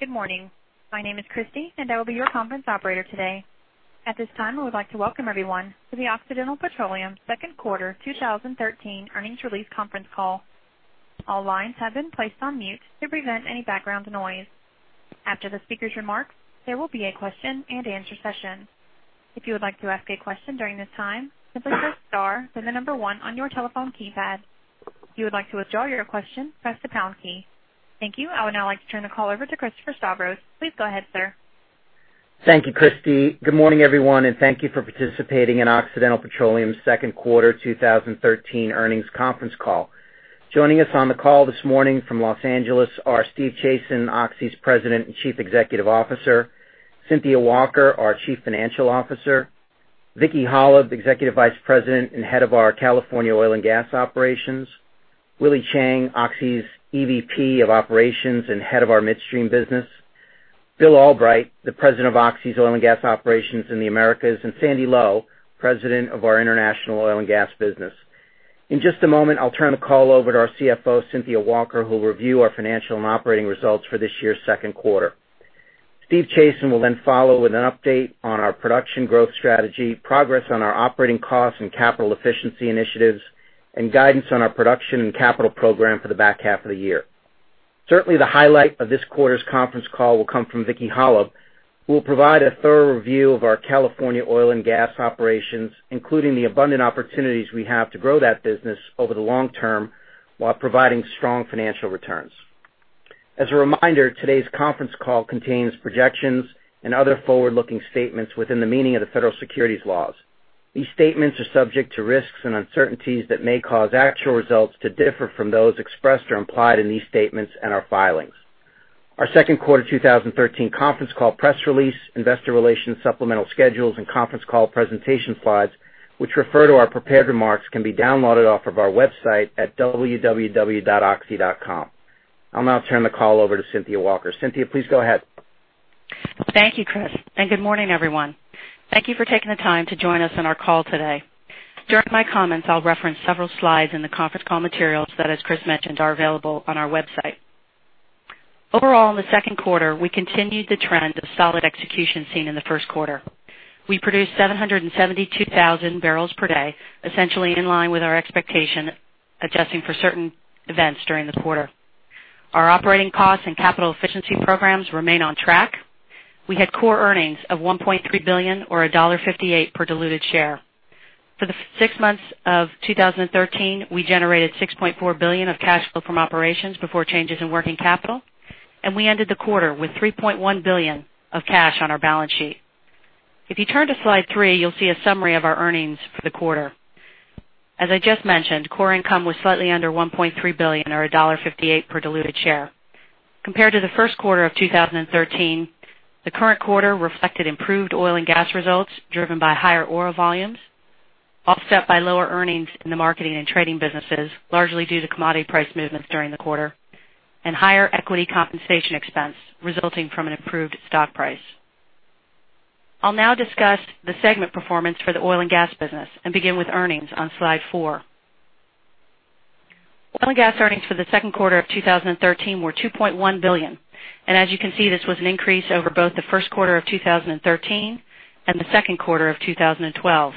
Good morning. My name is Christy, and I will be your conference operator today. At this time, we would like to welcome everyone to the Occidental Petroleum second quarter 2013 earnings release conference call. All lines have been placed on mute to prevent any background noise. After the speaker's remarks, there will be a question and answer session. If you would like to ask a question during this time, simply press star then 1 on your telephone keypad. If you would like to withdraw your question, press the pound key. Thank you. I would now like to turn the call over to Christopher Stavros. Please go ahead, sir. Thank you, Christy. Good morning, everyone, and thank you for participating in Occidental Petroleum's second quarter 2013 earnings conference call. Joining us on the call this morning from Los Angeles are Steve Chazen, Oxy's President and Chief Executive Officer, Cynthia Walker, our Chief Financial Officer, Vicki Hollub, Executive Vice President and head of our California oil and gas operations, Willy Chiang, Oxy's EVP of Operations and head of our midstream business, Bill Albrecht, the President of Oxy's oil and gas operations in the Americas, and Sandy Lowe, President of our international oil and gas business. In just a moment, I'll turn the call over to our CFO, Cynthia Walker, who will review our financial and operating results for this year's second quarter. Steve Chazen will then follow with an update on our production growth strategy, progress on our operating costs and capital efficiency initiatives, and guidance on our production and capital program for the back half of the year. The highlight of this quarter's conference call will come from Vicki Hollub, who will provide a thorough review of our California oil and gas operations, including the abundant opportunities we have to grow that business over the long term while providing strong financial returns. As a reminder, today's conference call contains projections and other forward-looking statements within the meaning of the federal securities laws. These statements are subject to risks and uncertainties that may cause actual results to differ from those expressed or implied in these statements and our filings. Our second quarter 2013 conference call press release, investor relations supplemental schedules, and conference call presentation slides, which refer to our prepared remarks, can be downloaded off of our website at www.oxy.com. I'll now turn the call over to Cynthia Walker. Cynthia, please go ahead. Thank you, Chris, and good morning, everyone. Thank you for taking the time to join us on our call today. During my comments, I will reference several slides in the conference call materials that, as Chris mentioned, are available on our website. Overall, in the second quarter, we continued the trend of solid execution seen in the first quarter. We produced 772,000 barrels per day, essentially in line with our expectation, adjusting for certain events during the quarter. Our operating costs and capital efficiency programs remain on track. We had core earnings of $1.3 billion or $1.58 per diluted share. For the six months of 2013, we generated $6.4 billion of cash flow from operations before changes in working capital, and we ended the quarter with $3.1 billion of cash on our balance sheet. If you turn to slide three, you will see a summary of our earnings for the quarter. As I just mentioned, core income was slightly under $1.3 billion or $1.58 per diluted share. Compared to the first quarter of 2013, the current quarter reflected improved oil and gas results driven by higher oil volumes, offset by lower earnings in the marketing and trading businesses, largely due to commodity price movements during the quarter, and higher equity compensation expense resulting from an improved stock price. I will now discuss the segment performance for the oil and gas business and begin with earnings on slide four. Oil and gas earnings for the second quarter of 2013 were $2.1 billion. As you can see, this was an increase over both the first quarter of 2013 and the second quarter of 2012.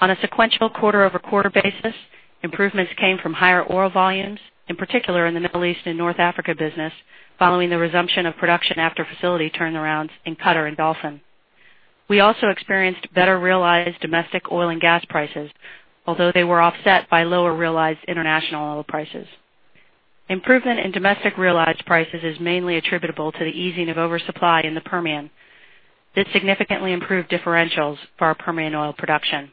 On a sequential quarter-over-quarter basis, improvements came from higher oil volumes, in particular in the Middle East and North Africa business, following the resumption of production after facility turnarounds in Qatar and Dolphin. We also experienced better realized domestic oil and gas prices, although they were offset by lower realized international oil prices. Improvement in domestic realized prices is mainly attributable to the easing of oversupply in the Permian that significantly improved differentials for our Permian oil production.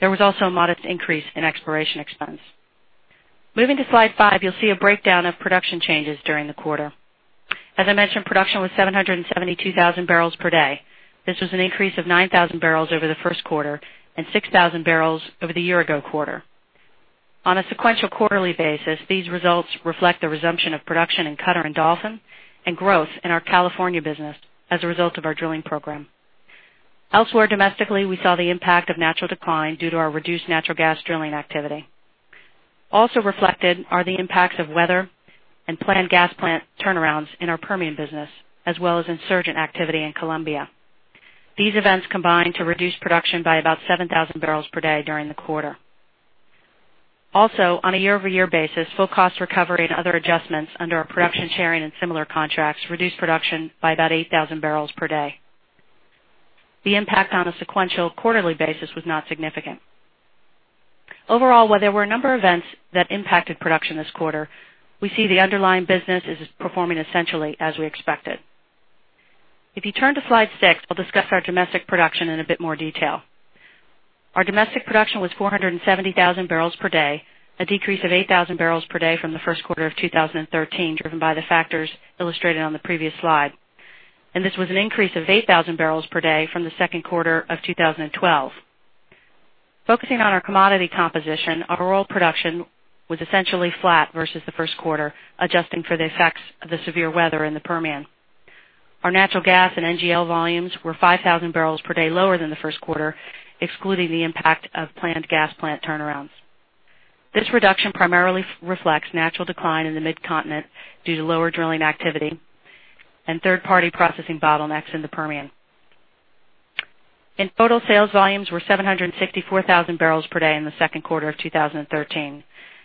There was also a modest increase in exploration expense. Moving to slide five, you will see a breakdown of production changes during the quarter. As I mentioned, production was 772,000 barrels per day. This was an increase of 9,000 barrels over the first quarter and 6,000 barrels over the year-ago quarter. On a sequential quarterly basis, these results reflect the resumption of production in Qatar and Dolphin and growth in our California business as a result of our drilling program. Elsewhere domestically, we saw the impact of natural decline due to our reduced natural gas drilling activity. Also reflected are the impacts of weather and planned gas plant turnarounds in our Permian business, as well as insurgent activity in Colombia. These events combined to reduce production by about 7,000 barrels per day during the quarter. Also, on a year-over-year basis, full cost recovery and other adjustments under our production sharing and similar contracts reduced production by about 8,000 barrels per day. The impact on a sequential quarterly basis was not significant. Overall, while there were a number of events that impacted production this quarter, we see the underlying business is performing essentially as we expected. If you turn to slide six, I'll discuss our domestic production in a bit more detail. Our domestic production was 470,000 barrels per day, a decrease of 8,000 barrels per day from the first quarter of 2013, driven by the factors illustrated on the previous slide. This was an increase of 8,000 barrels per day from the second quarter of 2012. Focusing on our commodity composition, our oil production was essentially flat versus the first quarter, adjusting for the effects of the severe weather in the Permian. Our natural gas and NGL volumes were 5,000 barrels per day lower than the first quarter, excluding the impact of planned gas plant turnarounds. This reduction primarily reflects natural decline in the Mid-Continent due to lower drilling activity and third-party processing bottlenecks in the Permian. In total, sales volumes were 764,000 barrels per day in the second quarter of 2013,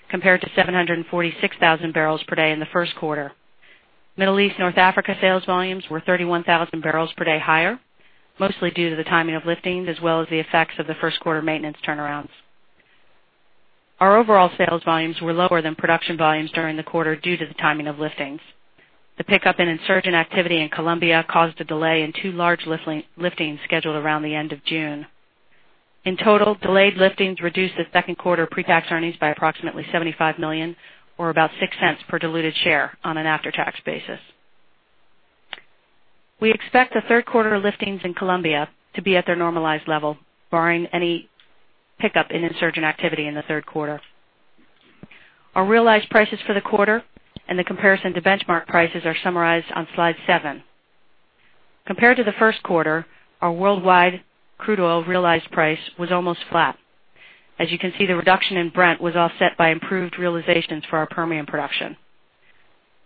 compared to 746,000 barrels per day in the first quarter. Middle East North Africa sales volumes were 31,000 barrels per day higher, mostly due to the timing of liftings as well as the effects of the first quarter maintenance turnarounds. Our overall sales volumes were lower than production volumes during the quarter due to the timing of liftings. The pickup in insurgent activity in Colombia caused a delay in two large liftings scheduled around the end of June. In total, delayed liftings reduced the second quarter pre-tax earnings by approximately $75 million, or about $0.06 per diluted share on an after-tax basis. We expect the third quarter liftings in Colombia to be at their normalized level, barring any pickup in insurgent activity in the third quarter. Our realized prices for the quarter and the comparison to benchmark prices are summarized on slide seven. Compared to the first quarter, our worldwide crude oil realized price was almost flat. As you can see, the reduction in Brent was offset by improved realizations for our Permian production.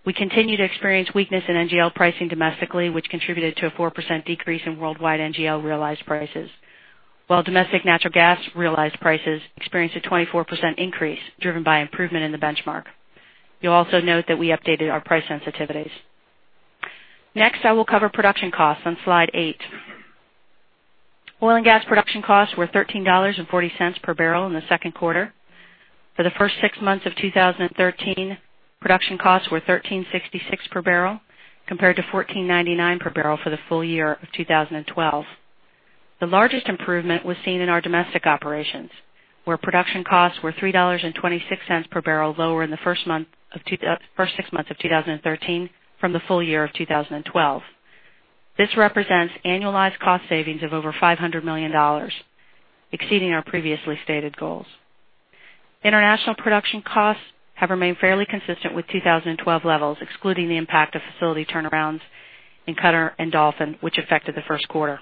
We continue to experience weakness in NGL pricing domestically, which contributed to a 4% decrease in worldwide NGL realized prices. While domestic natural gas realized prices experienced a 24% increase driven by improvement in the benchmark. You'll also note that we updated our price sensitivities. Next, I will cover production costs on slide eight. Oil and gas production costs were $13.40 per barrel in the second quarter. For the first six months of 2013, production costs were $13.66 per barrel, compared to $14.99 per barrel for the full year of 2012. The largest improvement was seen in our domestic operations, where production costs were $3.26 per barrel lower in the first six months of 2013 from the full year of 2012. This represents annualized cost savings of over $500 million, exceeding our previously stated goals. International production costs have remained fairly consistent with 2012 levels, excluding the impact of facility turnarounds in Qatar and Dolphin, which affected the first quarter.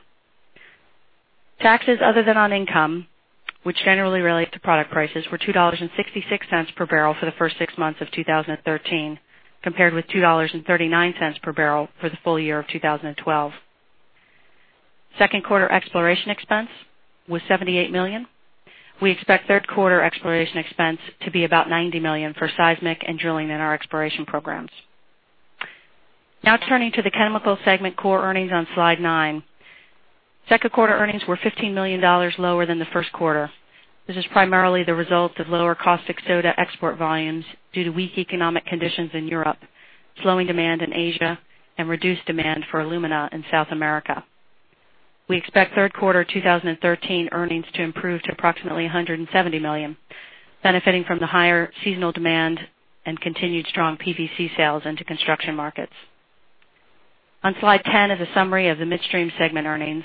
Taxes other than on income, which generally relate to product prices, were $2.66 per barrel for the first six months of 2013, compared with $2.39 per barrel for the full year of 2012. Second quarter exploration expense was $78 million. We expect third quarter exploration expense to be about $90 million for seismic and drilling in our exploration programs. Now turning to the chemical segment core earnings on slide nine. Second quarter earnings were $15 million lower than the first quarter. This is primarily the result of lower caustic soda export volumes due to weak economic conditions in Europe, slowing demand in Asia, and reduced demand for alumina in South America. We expect third quarter 2013 earnings to improve to approximately $170 million, benefiting from the higher seasonal demand and continued strong PVC sales into construction markets. On slide 10 is a summary of the midstream segment earnings.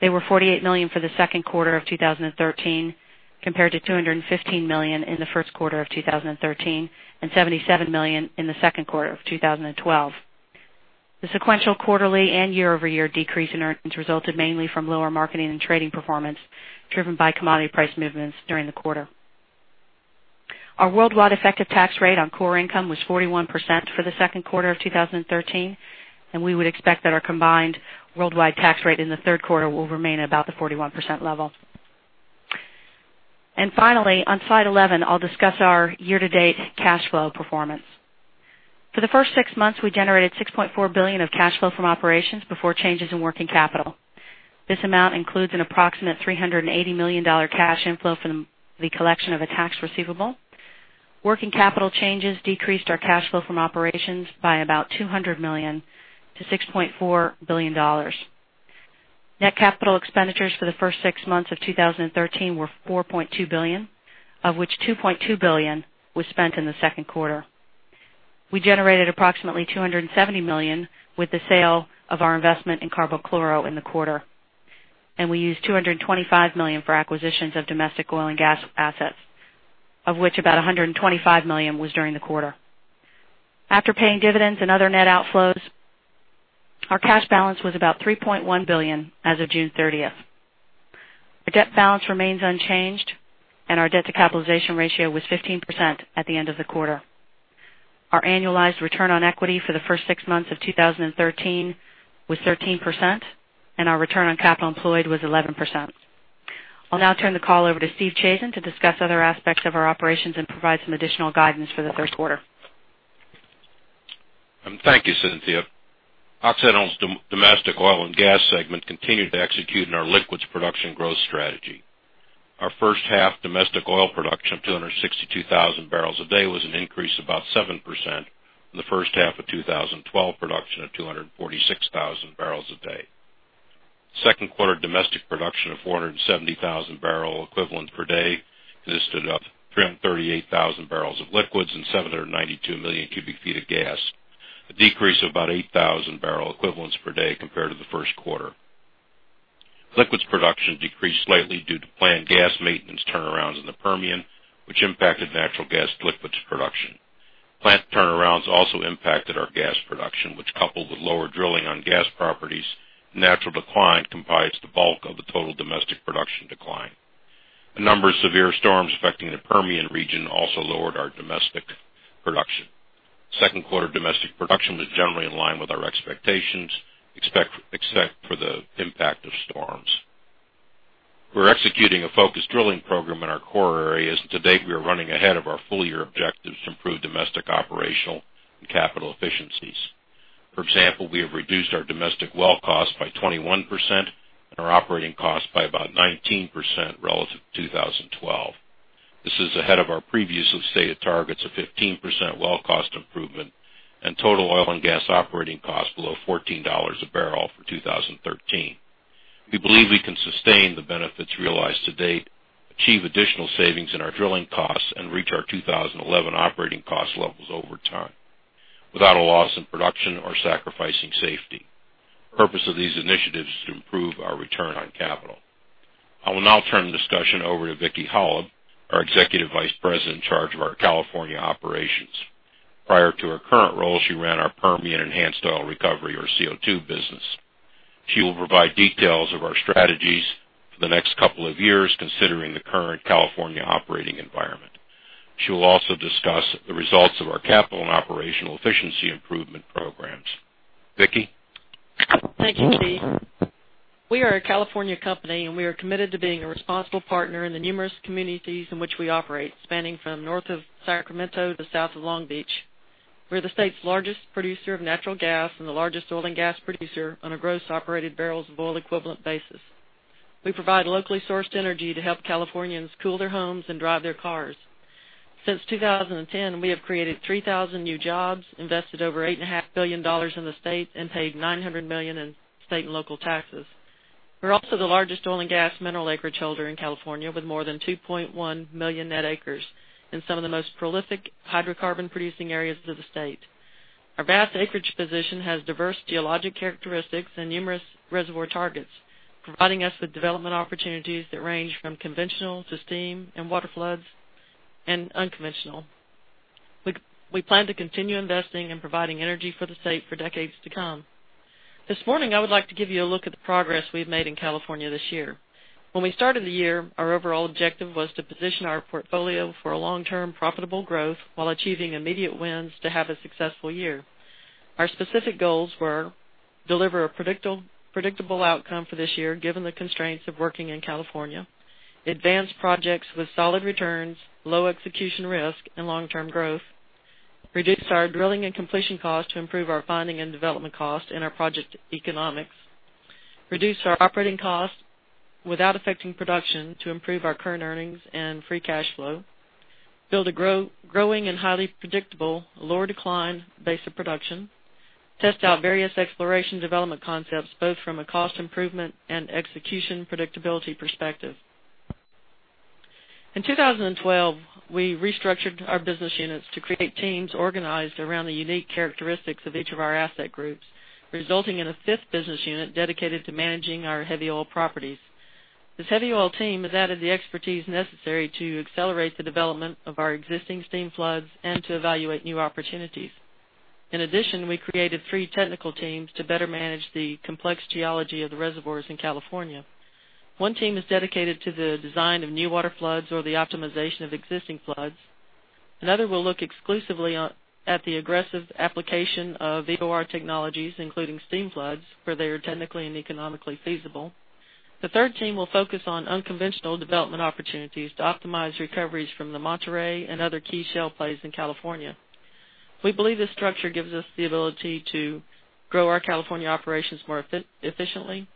They were $48 million for the second quarter of 2013, compared to $215 million in the first quarter of 2013 and $77 million in the second quarter of 2012. The sequential quarterly and year-over-year decrease in earnings resulted mainly from lower marketing and trading performance, driven by commodity price movements during the quarter. Our worldwide effective tax rate on core income was 41% for the second quarter of 2013, and we would expect that our combined worldwide tax rate in the third quarter will remain about the 41% level. Finally, on slide 11, I'll discuss our year-to-date cash flow performance. For the first six months, we generated $6.4 billion of cash flow from operations before changes in working capital. This amount includes an approximate $380 million cash inflow from the collection of a tax receivable. Working capital changes decreased our cash flow from operations by about $200 million to $6.4 billion. Net capital expenditures for the first six months of 2013 were $4.2 billion, of which $2.2 billion was spent in the second quarter. We generated approximately $270 million with the sale of our investment in CarboChlor in the quarter, and we used $225 million for acquisitions of domestic oil and gas assets, of which about $125 million was during the quarter. After paying dividends and other net outflows, our cash balance was about $3.1 billion as of June 30th. Our debt balance remains unchanged, and our debt-to-capitalization ratio was 15% at the end of the quarter. Our annualized return on equity for the first six months of 2013 was 13%, and our return on capital employed was 11%. I'll now turn the call over to Steve Chazen to discuss other aspects of our operations and provide some additional guidance for the third quarter. Thank you, Cynthia. Occidental's domestic oil and gas segment continued to execute in our liquids production growth strategy. Our first half domestic oil production of 262,000 barrels a day was an increase of about 7% from the first half of 2012 production of 246,000 barrels a day. Second quarter domestic production of 470,000 barrel equivalent per day consisted of 338,000 barrels of liquids and 792 million cubic feet of gas, a decrease of about 8,000 barrel equivalents per day compared to the first quarter. Liquids production decreased slightly due to planned gas maintenance turnarounds in the Permian, which impacted natural gas liquids production. Plant turnarounds also impacted our gas production, which, coupled with lower drilling on gas properties, natural decline comprise the bulk of the total domestic production decline. A number of severe storms affecting the Permian region also lowered our domestic production. Second quarter domestic production was generally in line with our expectations, except for the impact of storms. To date, we are executing a focused drilling program in our core areas, we are running ahead of our full-year objectives to improve domestic operational and capital efficiencies. For example, we have reduced our domestic well cost by 21% and our operating cost by about 19% relative to 2012. This is ahead of our previously stated targets of 15% well cost improvement and total oil and gas operating costs below $14 a barrel for 2013. We believe we can sustain the benefits realized to date, achieve additional savings in our drilling costs, and reach our 2011 operating cost levels over time without a loss in production or sacrificing safety. The purpose of these initiatives is to improve our return on capital. I will now turn the discussion over to Vicki Hollub, our executive vice president in charge of our California operations. Prior to her current role, she ran our Permian enhanced oil recovery, or CO2 business. She will provide details of our strategies for the next couple of years, considering the current California operating environment. She will also discuss the results of our capital and operational efficiency improvement programs. Vicki? Thank you, Steve. We are a California company, we are committed to being a responsible partner in the numerous communities in which we operate, spanning from north of Sacramento to south of Long Beach. We're the state's largest producer of natural gas and the largest oil and gas producer on a gross operated barrels of oil equivalent basis. We provide locally sourced energy to help Californians cool their homes and drive their cars. Since 2010, we have created 3,000 new jobs, invested over $8.5 billion in the state, paid $900 million in state and local taxes. We're also the largest oil and gas mineral acreage holder in California, with more than 2.1 million net acres in some of the most prolific hydrocarbon-producing areas of the state. Our vast acreage position has diverse geologic characteristics and numerous reservoir targets, providing us with development opportunities that range from conventional to steam and water floods and unconventional. We plan to continue investing and providing energy for the state for decades to come. This morning, I would like to give you a look at the progress we've made in California this year. When we started the year, our overall objective was to position our portfolio for a long-term profitable growth while achieving immediate wins to have a successful year. Our specific goals were: deliver a predictable outcome for this year given the constraints of working in California, advance projects with solid returns, low execution risk, and long-term growth, reduce our drilling and completion costs to improve our finding and development cost and our project economics, reduce our operating cost without affecting production to improve our current earnings and free cash flow, build a growing and highly predictable, lower decline base of production, test out various exploration development concepts, both from a cost improvement and execution predictability perspective. In 2012, we restructured our business units to create teams organized around the unique characteristics of each of our asset groups, resulting in a fifth business unit dedicated to managing our heavy oil properties. This heavy oil team has added the expertise necessary to accelerate the development of our existing steam floods and to evaluate new opportunities. In addition, we created three technical teams to better manage the complex geology of the reservoirs in California. One team is dedicated to the design of new water floods or the optimization of existing floods. Another will look exclusively at the aggressive application of EOR technologies, including steam floods where they are technically and economically feasible. The third team will focus on unconventional development opportunities to optimize recoveries from the Monterey and other key shale plays in California. We believe this structure gives us the ability to grow our California operations more efficiently,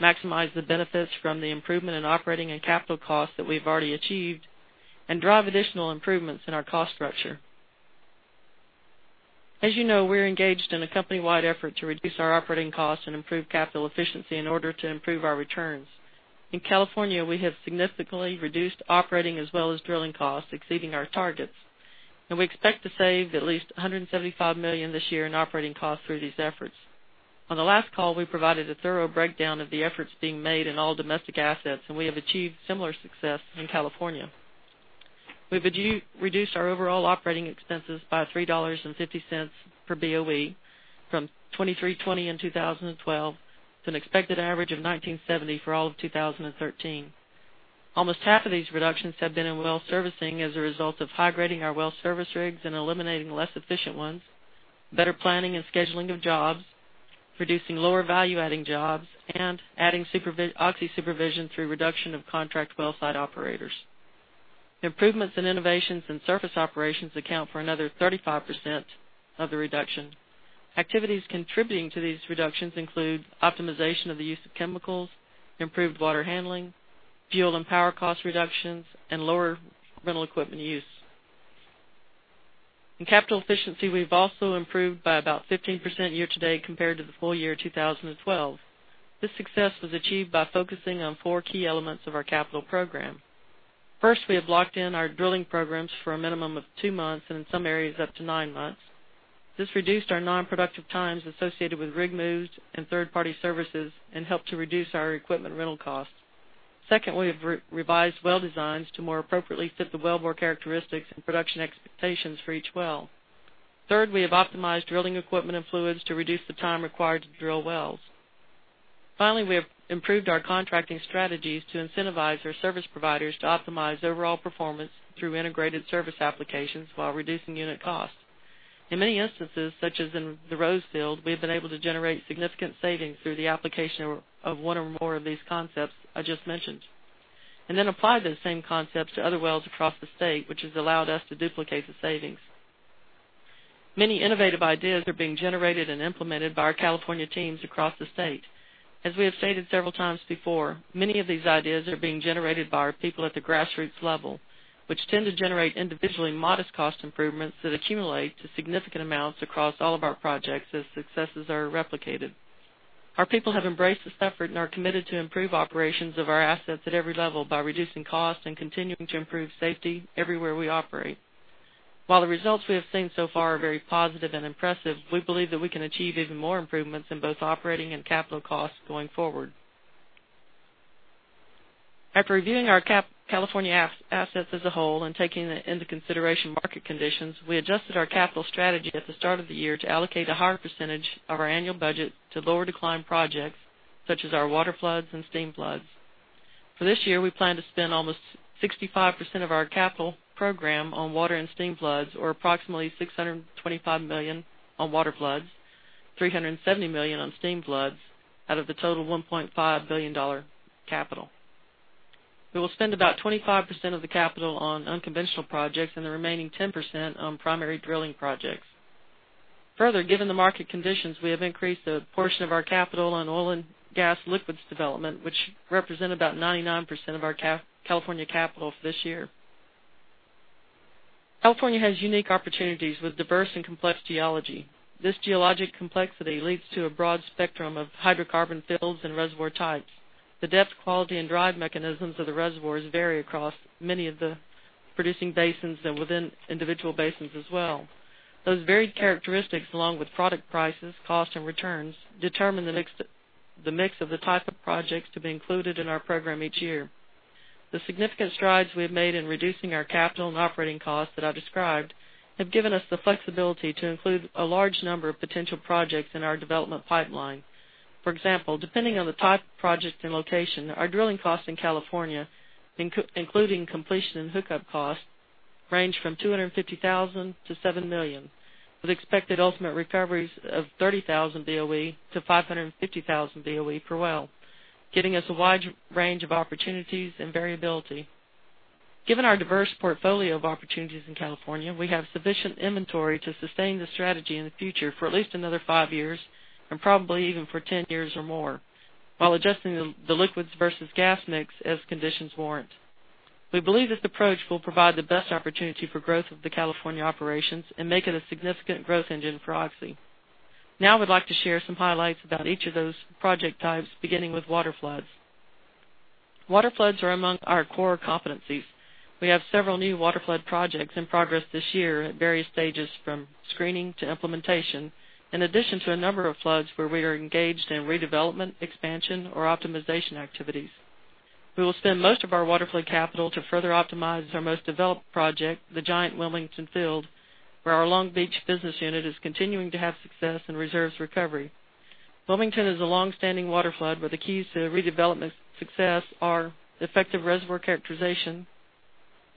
maximize the benefits from the improvement in operating and capital costs that we've already achieved, and drive additional improvements in our cost structure. As you know, we're engaged in a company-wide effort to reduce our operating cost and improve capital efficiency in order to improve our returns. In California, we have significantly reduced operating as well as drilling costs, exceeding our targets, and we expect to save at least $175 million this year in operating costs through these efforts. On the last call, we provided a thorough breakdown of the efforts being made in all domestic assets, and we have achieved similar success in California. We've reduced our overall operating expenses by $3.50 per BOE from $23.20 in 2012, to an expected average of $19.70 for all of 2013. Almost half of these reductions have been in well servicing as a result of high-grading our well service rigs and eliminating less efficient ones, better planning and scheduling of jobs, reducing lower value-adding jobs, and adding Oxy supervision through reduction of contract well site operators. Improvements in innovations in surface operations account for another 35% of the reduction. Activities contributing to these reductions include optimization of the use of chemicals, improved water handling, fuel and power cost reductions, and lower rental equipment use. In capital efficiency, we've also improved by about 15% year to date compared to the full year 2012. This success was achieved by focusing on four key elements of our capital program. First, we have locked in our drilling programs for a minimum of two months and in some areas up to nine months. This reduced our non-productive times associated with rig moves and third-party services and helped to reduce our equipment rental costs. Second, we have revised well designs to more appropriately fit the well bore characteristics and production expectations for each well. Third, we have optimized drilling equipment and fluids to reduce the time required to drill wells. We have improved our contracting strategies to incentivize our service providers to optimize overall performance through integrated service applications while reducing unit costs. In many instances, such as in the Rose field, we have been able to generate significant savings through the application of one or more of these concepts I just mentioned, and then apply those same concepts to other wells across the state, which has allowed us to duplicate the savings. Many innovative ideas are being generated and implemented by our California teams across the state. As we have stated several times before, many of these ideas are being generated by our people at the grassroots level, which tend to generate individually modest cost improvements that accumulate to significant amounts across all of our projects as successes are replicated. Our people have embraced this effort and are committed to improve operations of our assets at every level by reducing costs and continuing to improve safety everywhere we operate. The results we have seen so far are very positive and impressive, we believe that we can achieve even more improvements in both operating and capital costs going forward. After reviewing our California assets as a whole and taking into consideration market conditions, we adjusted our capital strategy at the start of the year to allocate a higher percentage of our annual budget to lower decline projects such as our waterfloods and steamfloods. For this year, we plan to spend almost 65% of our capital program on water and steamfloods, or approximately $625 million on waterfloods, $370 million on steamfloods, out of the total $1.5 billion capital. We will spend about 25% of the capital on unconventional projects and the remaining 10% on primary drilling projects. Given the market conditions, we have increased a portion of our capital on oil and gas liquids development, which represent about 99% of our California capital for this year. California has unique opportunities with diverse and complex geology. This geologic complexity leads to a broad spectrum of hydrocarbon fields and reservoir types. The depth, quality, and drive mechanisms of the reservoirs vary across many of the producing basins and within individual basins as well. Those varied characteristics, along with product prices, cost, and returns, determine the mix of the type of projects to be included in our program each year. The significant strides we have made in reducing our capital and operating costs that I've described have given us the flexibility to include a large number of potential projects in our development pipeline. Depending on the type of project and location, our drilling costs in California, including completion and hookup costs, range from $250,000 to $7 million, with expected ultimate recoveries of 30,000 BOE to 550,000 BOE per well, giving us a wide range of opportunities and variability. Given our diverse portfolio of opportunities in California, we have sufficient inventory to sustain this strategy in the future for at least another 5 years, and probably even for 10 years or more, while adjusting the liquids versus gas mix as conditions warrant. We believe this approach will provide the best opportunity for growth of the California operations and make it a significant growth engine for Oxy. I would like to share some highlights about each of those project types, beginning with waterfloods. Waterfloods are among our core competencies. We have several new waterflood projects in progress this year at various stages, from screening to implementation, in addition to a number of floods where we are engaged in redevelopment, expansion, or optimization activities. We will spend most of our waterflood capital to further optimize our most developed project, the giant Wilmington Field, where our Long Beach business unit is continuing to have success in reserves recovery. Wilmington is a long-standing waterflood, where the keys to redevelopment success are effective reservoir characterization,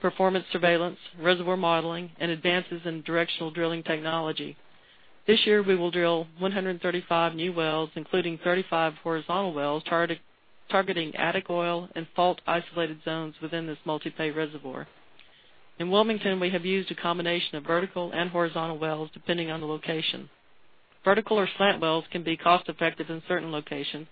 performance surveillance, reservoir modeling, and advances in directional drilling technology. This year, we will drill 135 new wells, including 35 horizontal wells targeting attic oil and fault-isolated zones within this multipay reservoir. In Wilmington, we have used a combination of vertical and horizontal wells, depending on the location. Vertical or slant wells can be cost-effective in certain locations,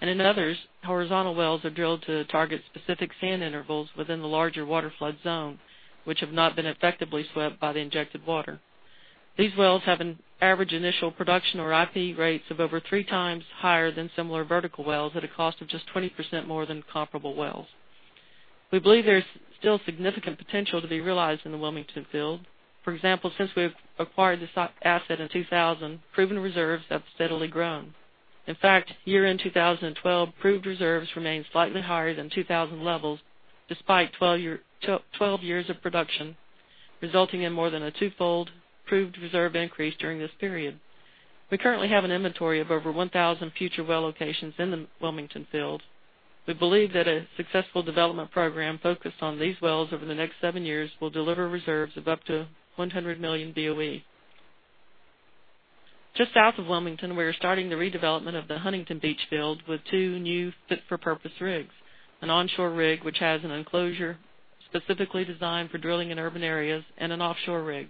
and in others, horizontal wells are drilled to target specific sand intervals within the larger waterflood zone, which have not been effectively swept by the injected water. These wells have an average initial production, or IP, rates of over three times higher than similar vertical wells at a cost of just 20% more than comparable wells. We believe there is still significant potential to be realized in the Wilmington Field. Since we have acquired this asset in 2000, proven reserves have steadily grown. Year-end 2012 proved reserves remain slightly higher than 2000 levels, despite 12 years of production, resulting in more than a twofold proved reserve increase during this period. We currently have an inventory of over 1,000 future well locations in the Wilmington Field. We believe that a successful development program focused on these wells over the next seven years will deliver reserves of up to 100 million BOE. Just south of Wilmington, we are starting the redevelopment of the Huntington Beach Field with two new fit-for-purpose rigs, an onshore rig which has an enclosure specifically designed for drilling in urban areas, and an offshore rig.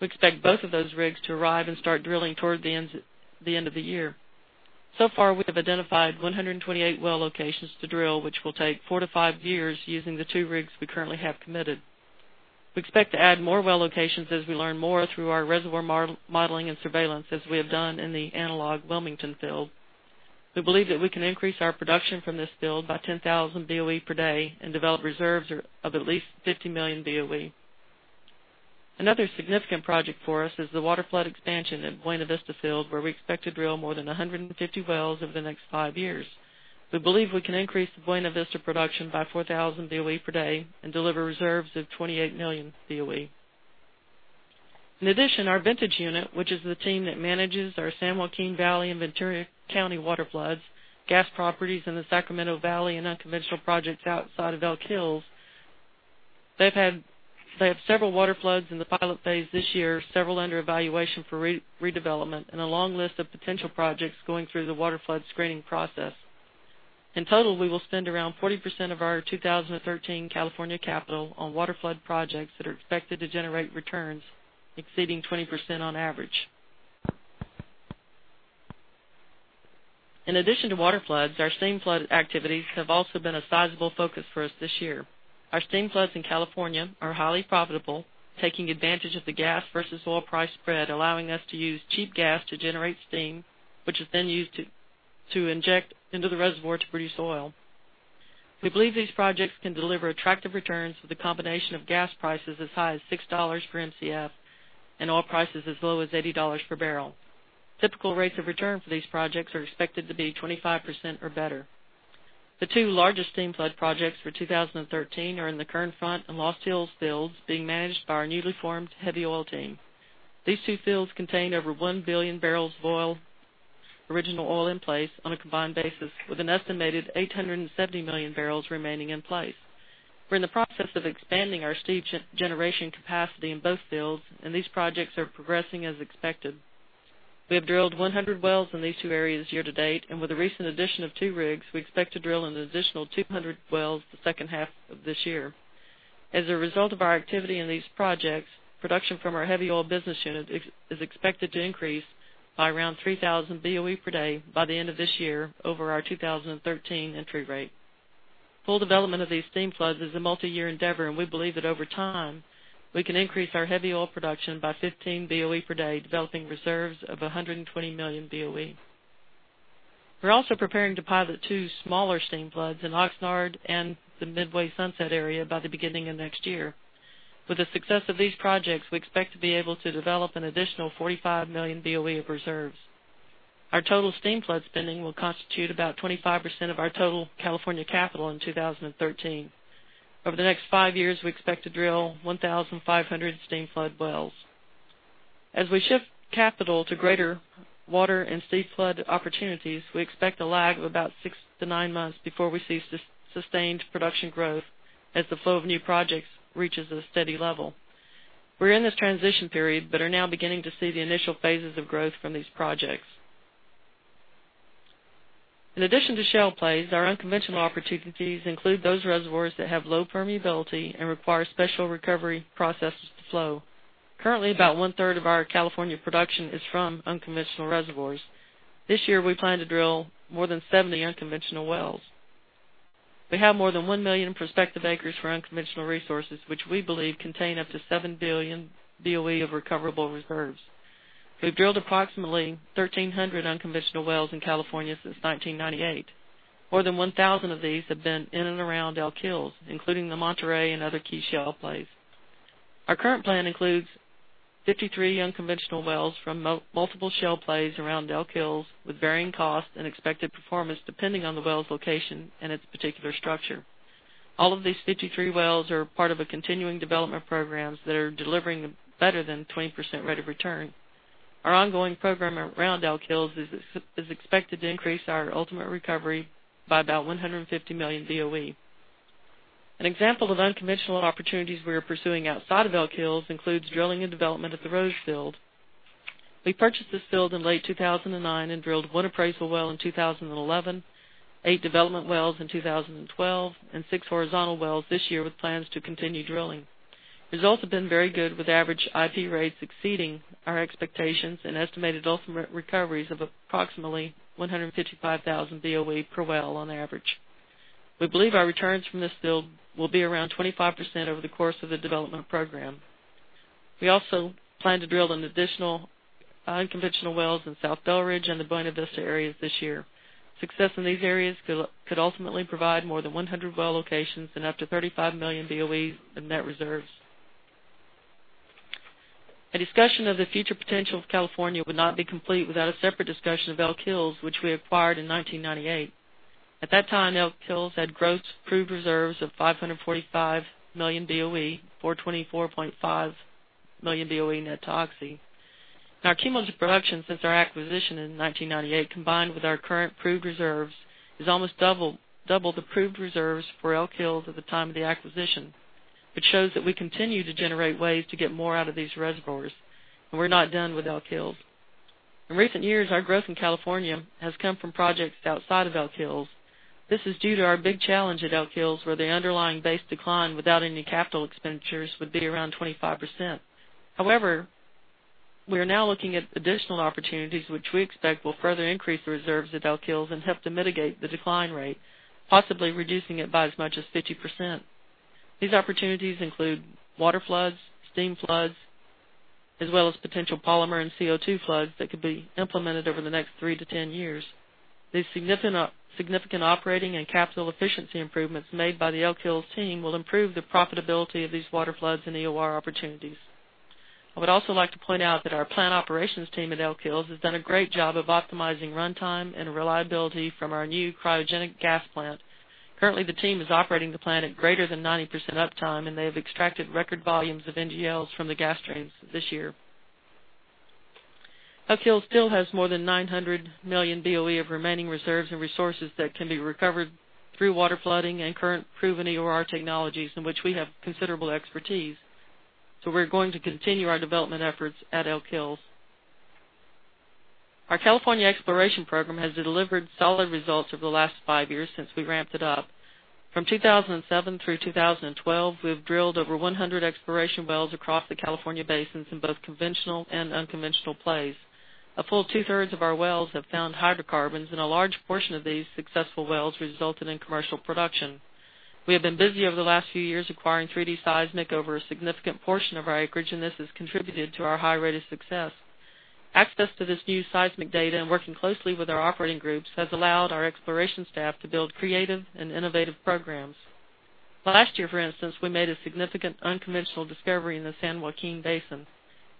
We expect both of those rigs to arrive and start drilling toward the end of the year. We have identified 128 well locations to drill, which will take four to five years using the two rigs we currently have committed. We expect to add more well locations as we learn more through our reservoir modeling and surveillance, as we have done in the analog Wilmington Field. We believe that we can increase our production from this field by 10,000 BOE per day and develop reserves of at least 50 million BOE. A significant project for us is the waterflood expansion at Buena Vista field, where we expect to drill more than 150 wells over the next five years. We believe we can increase the Buena Vista production by 4,000 BOE per day and deliver reserves of 28 million BOE. Our vintage unit, which is the team that manages our San Joaquin Valley and Ventura County waterfloods, gas properties in the Sacramento Valley, and unconventional projects outside of Elk Hills, they have several waterfloods in the pilot phase this year, several under evaluation for redevelopment, and a long list of potential projects going through the waterflood screening process. In total, we will spend around 40% of our 2013 California capital on waterflood projects that are expected to generate returns exceeding 20% on average. In addition to waterfloods, our steamflood activities have also been a sizable focus for us this year. Our steamfloods in California are highly profitable, taking advantage of the gas versus oil price spread, allowing us to use cheap gas to generate steam, which is then used to inject into the reservoir to produce oil. We believe these projects can deliver attractive returns with a combination of gas prices as high as $6 per Mcf and oil prices as low as $80 per barrel. Typical rates of return for these projects are expected to be 25% or better. The two largest steamflood projects for 2013 are in the Kern Front and Lost Hills fields, being managed by our newly formed heavy oil team. These two fields contain over 1 billion barrels of original oil in place on a combined basis, with an estimated 870 million barrels remaining in place. We're in the process of expanding our steam generation capacity in both fields. These projects are progressing as expected. We have drilled 100 wells in these two areas year to date, and with the recent addition of two rigs, we expect to drill an additional 200 wells the second half of this year. As a result of our activity in these projects, production from our heavy oil business unit is expected to increase by around 3,000 BOE per day by the end of this year over our 2013 entry rate. Full development of these steamfloods is a multi-year endeavor, and we believe that over time, we can increase our heavy oil production by 15,000 BOE per day, developing reserves of 120 million BOE. We're also preparing to pilot two smaller steamfloods in Oxnard and the Midway-Sunset area by the beginning of next year. With the success of these projects, we expect to be able to develop an additional 45 million BOE of reserves. Our total steamflood spending will constitute about 25% of our total California capital in 2013. Over the next five years, we expect to drill 1,500 steamflood wells. As we shift capital to greater water and steamflood opportunities, we expect a lag of about six to nine months before we see sustained production growth as the flow of new projects reaches a steady level. We're in this transition period, but are now beginning to see the initial phases of growth from these projects. In addition to shale plays, our unconventional opportunities include those reservoirs that have low permeability and require special recovery processes to flow. Currently, about one-third of our California production is from unconventional reservoirs. This year, we plan to drill more than 70 unconventional wells. We have more than 1 million prospective acres for unconventional resources, which we believe contain up to 7 billion BOE of recoverable reserves. We've drilled approximately 1,300 unconventional wells in California since 1998. More than 1,000 of these have been in and around Elk Hills, including the Monterey and other key shale plays. Our current plan includes 53 unconventional wells from multiple shale plays around Elk Hills, with varying cost and expected performance depending on the well's location and its particular structure. All of these 53 wells are part of a continuing development programs that are delivering a better than 20% rate of return. Our ongoing program around Elk Hills is expected to increase our ultimate recovery by about 150 million BOE. An example of unconventional opportunities we are pursuing outside of Elk Hills includes drilling and development at the Rose Field. We purchased this field in late 2009 and drilled one appraisal well in 2011, eight development wells in 2012, and six horizontal wells this year, with plans to continue drilling. Results have been very good, with average IP rates exceeding our expectations and estimated ultimate recoveries of approximately 155,000 BOE per well on average. We believe our returns from this field will be around 25% over the course of the development program. We also plan to drill in additional unconventional wells in South Belridge and the Buena Vista areas this year. Success in these areas could ultimately provide more than 100 well locations and up to 35 million BOE in net reserves. A discussion of the future potential of California would not be complete without a separate discussion of Elk Hills, which we acquired in 1998. At that time, Elk Hills had gross proved reserves of 545 million BOE, or 24.5 million BOE net to Oxy. Our cumulative production since our acquisition in 1998, combined with our current proved reserves, is almost double the proved reserves for Elk Hills at the time of the acquisition, which shows that we continue to generate ways to get more out of these reservoirs, and we're not done with Elk Hills. In recent years, our growth in California has come from projects outside of Elk Hills. This is due to our big challenge at Elk Hills, where the underlying base decline without any capital expenditures would be around 25%. We are now looking at additional opportunities which we expect will further increase the reserves at Elk Hills and help to mitigate the decline rate, possibly reducing it by as much as 50%. These opportunities include waterfloods, steamfloods, as well as potential polymer and CO2 floods that could be implemented over the next three to 10 years. These significant operating and capital efficiency improvements made by the Elk Hills team will improve the profitability of these water floods and EOR opportunities. I would also like to point out that our plant operations team at Elk Hills has done a great job of optimizing runtime and reliability from our new cryogenic gas plant. Currently, the team is operating the plant at greater than 90% uptime, and they have extracted record volumes of NGLs from the gas streams this year. Elk Hills still has more than 900 million BOE of remaining reserves and resources that can be recovered through water flooding and current proven EOR technologies, in which we have considerable expertise. We're going to continue our development efforts at Elk Hills. Our California exploration program has delivered solid results over the last five years since we ramped it up. From 2007 through 2012, we've drilled over 100 exploration wells across the California basins in both conventional and unconventional plays. A full two-thirds of our wells have found hydrocarbons, and a large portion of these successful wells resulted in commercial production. We have been busy over the last few years acquiring 3D seismic over a significant portion of our acreage, and this has contributed to our high rate of success. Access to this new seismic data and working closely with our operating groups has allowed our exploration staff to build creative and innovative programs. Last year, for instance, we made a significant unconventional discovery in the San Joaquin Basin.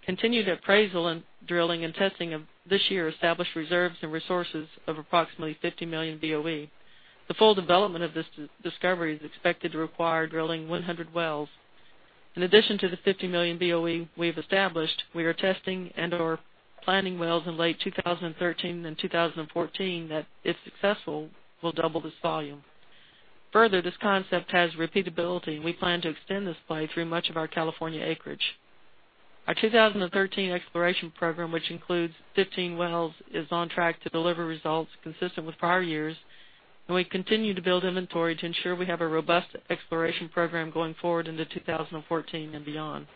Continued appraisal in drilling and testing of this year established reserves and resources of approximately 50 million BOE. The full development of this discovery is expected to require drilling 100 wells. In addition to the 50 million BOE we've established, we are testing and/or planning wells in late 2013 and 2014 that, if successful, will double this volume. This concept has repeatability, and we plan to extend this play through much of our California acreage. Our 2013 exploration program, which includes 15 wells, is on track to deliver results consistent with prior years. We continue to build inventory to ensure we have a robust exploration program going forward into 2014 and beyond.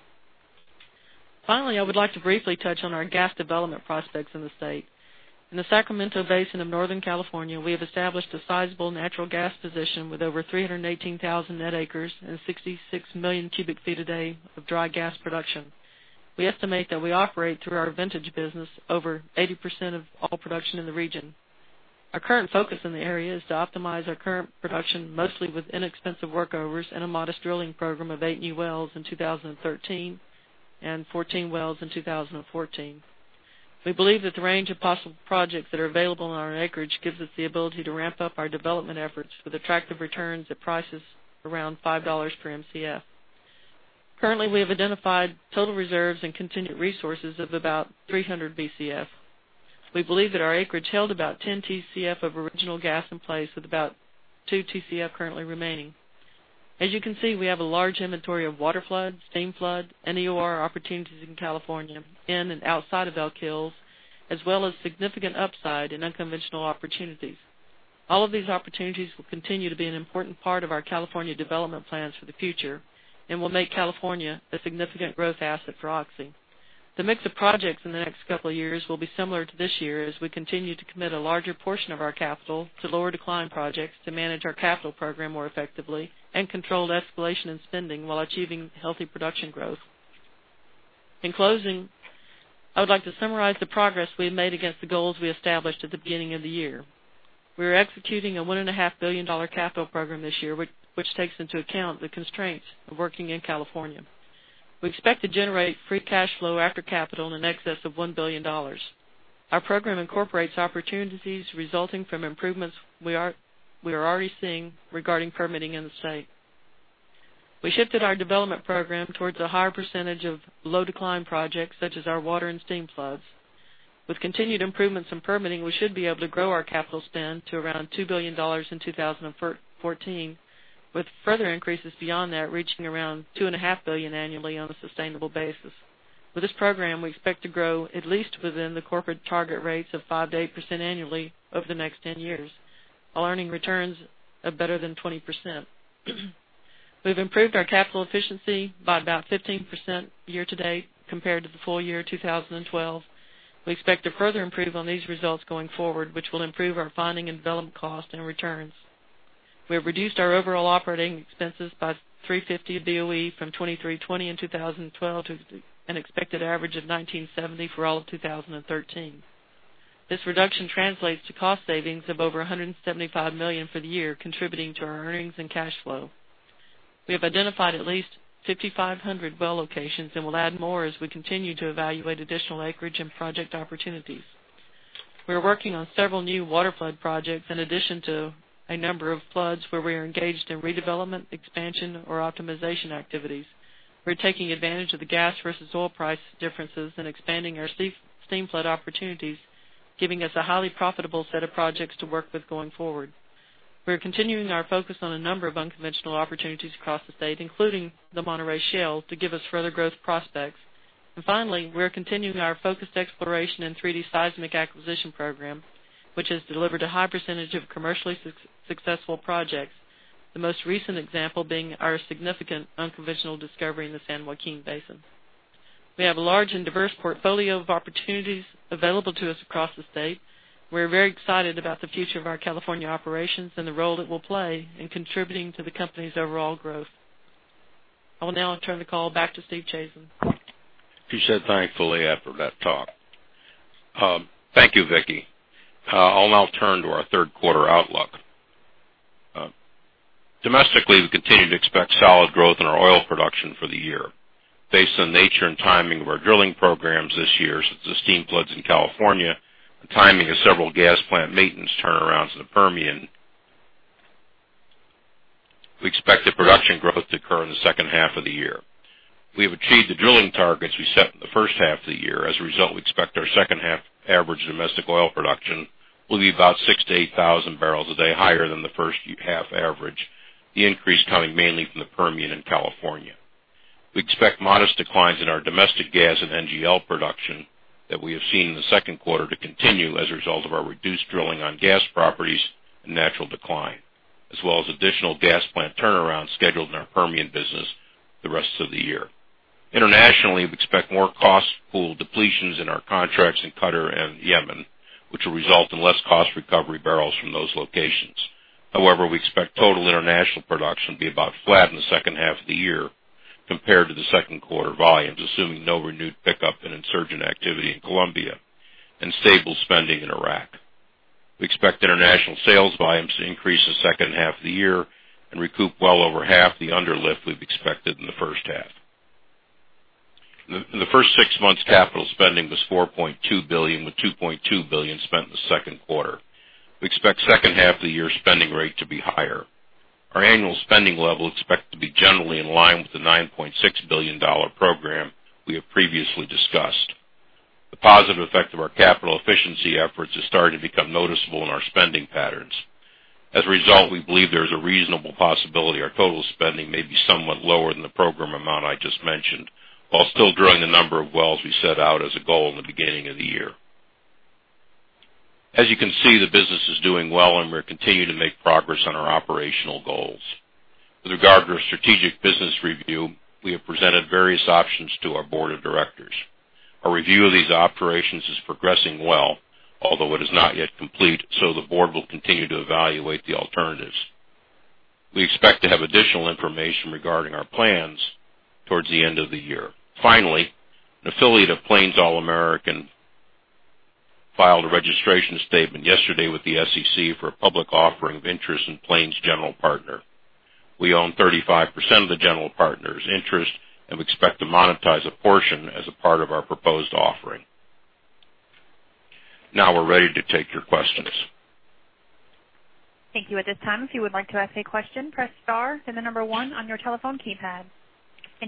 Finally, I would like to briefly touch on our gas development prospects in the state. In the Sacramento Basin of Northern California, we have established a sizable natural gas position with over 318,000 net acres and 66 million cubic feet a day of dry gas production. We estimate that we operate through our vintage business over 80% of all production in the region. Our current focus in the area is to optimize our current production, mostly with inexpensive workovers and a modest drilling program of eight new wells in 2013 and 14 wells in 2014. We believe that the range of possible projects that are available on our acreage gives us the ability to ramp up our development efforts with attractive returns at prices around $5 per Mcf. Currently, we have identified total reserves and continued resources of about 300 Bcf. We believe that our acreage held about 10 Tcf of original gas in place, with about 2 Tcf currently remaining. As you can see, we have a large inventory of water flood, steam flood, and EOR opportunities in California in and outside of Elk Hills, as well as significant upside in unconventional opportunities. All of these opportunities will continue to be an important part of our California development plans for the future and will make California a significant growth asset for Oxy. The mix of projects in the next couple of years will be similar to this year, as we continue to commit a larger portion of our capital to lower decline projects to manage our capital program more effectively and control the escalation in spending while achieving healthy production growth. In closing, I would like to summarize the progress we have made against the goals we established at the beginning of the year. We are executing a $1.5 billion capital program this year, which takes into account the constraints of working in California. We expect to generate free cash flow after capital in excess of $1 billion. Our program incorporates opportunities resulting from improvements we are already seeing regarding permitting in the state. We shifted our development program towards a higher percentage of low-decline projects, such as our water and steam floods. With continued improvements in permitting, we should be able to grow our capital spend to around $2 billion in 2014, with further increases beyond that reaching around $2.5 billion annually on a sustainable basis. With this program, we expect to grow at least within the corporate target rates of 5%-8% annually over the next 10 years, while earning returns of better than 20%. We've improved our capital efficiency by about 15% year to date compared to the full year 2012. We expect to further improve on these results going forward, which will improve our finding and development cost and returns. We have reduced our overall operating expenses by $3.50 per BOE from $23.20 in 2012 to an expected average of $19.70 for all of 2013. This reduction translates to cost savings of over $175 million for the year, contributing to our earnings and cash flow. We have identified at least 5,500 well locations and will add more as we continue to evaluate additional acreage and project opportunities. We are working on several new water flood projects in addition to a number of floods where we are engaged in redevelopment, expansion, or optimization activities. We're taking advantage of the gas versus oil price differences and expanding our steam flood opportunities, giving us a highly profitable set of projects to work with going forward. We are continuing our focus on a number of unconventional opportunities across the state, including the Monterey Shale, to give us further growth prospects. Finally, we are continuing our focused exploration and 3D seismic acquisition program, which has delivered a high percentage of commercially successful projects, the most recent example being our significant unconventional discovery in the San Joaquin Basin. We have a large and diverse portfolio of opportunities available to us across the state. We're very excited about the future of our California operations and the role it will play in contributing to the company's overall growth. I will now turn the call back to Stephen Chazen. She said thankfully after that talk. Thank you, Vicki. I'll now turn to our third quarter outlook. Domestically, we continue to expect solid growth in our oil production for the year. Based on the nature and timing of our drilling programs this year, since the steam floods in California, the timing of several gas plant maintenance turnarounds in the Permian, we expect the production growth to occur in the second half of the year. We have achieved the drilling targets we set in the first half of the year. As a result, we expect our second half average domestic oil production will be about 6,000 to 8,000 barrels a day higher than the first half average, the increase coming mainly from the Permian in California. We expect modest declines in our domestic gas and NGL production that we have seen in the second quarter to continue as a result of our reduced drilling on gas properties and natural decline, as well as additional gas plant turnarounds scheduled in our Permian business the rest of the year. Internationally, we expect more cost pool depletions in our contracts in Qatar and Yemen, which will result in less cost recovery barrels from those locations. However, we expect total international production to be about flat in the second half of the year compared to the second quarter volumes, assuming no renewed pickup in insurgent activity in Colombia and stable spending in Iraq. We expect international sales volumes to increase the second half of the year and recoup well over half the underlift we've expected in the first half. In the first six months, capital spending was $4.2 billion, with $2.2 billion spent in the second quarter. We expect second half of the year spending rate to be higher. Our annual spending level is expected to be generally in line with the $9.6 billion program we have previously discussed. The positive effect of our capital efficiency efforts is starting to become noticeable in our spending patterns. As a result, we believe there is a reasonable possibility our total spending may be somewhat lower than the program amount I just mentioned, while still drilling the number of wells we set out as a goal in the beginning of the year. With regard to our strategic business review, we have presented various options to our Board of Directors. Our review of these operations is progressing well, although it is not yet complete. The Board will continue to evaluate the alternatives. We expect to have additional information regarding our plans towards the end of the year. Finally, an affiliate of Plains All American filed a registration statement yesterday with the SEC for a public offering of interest in Plains GP Holdings. We own 35% of the general partner's interest, and we expect to monetize a portion as a part of our proposed offering. Now we're ready to take your questions. Thank you. At this time, if you would like to ask a question, press star and the number 1 on your telephone keypad.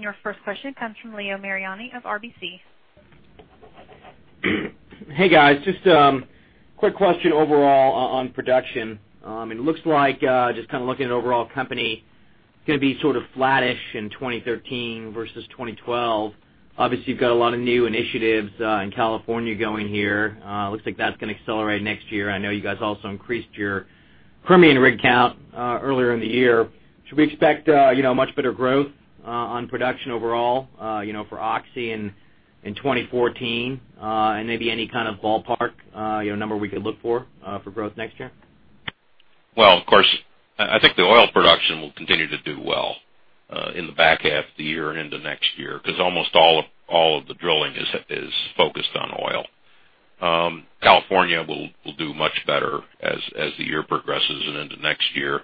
Your first question comes from Leo Mariani of RBC. Hey, guys. Just a quick question overall on production. It looks like, just looking at overall company, it's going to be sort of flattish in 2013 versus 2012. Obviously, you've got a lot of new initiatives in California going here. It looks like that's going to accelerate next year. I know you guys also increased your Permian rig count earlier in the year. Should we expect much better growth on production overall for Oxy in 2014? Maybe any kind of ballpark number we could look for growth next year? Well, of course, I think the oil production will continue to do well in the back half of the year and into next year, because almost all of the drilling is focused on oil. California will do much better as the year progresses and into next year.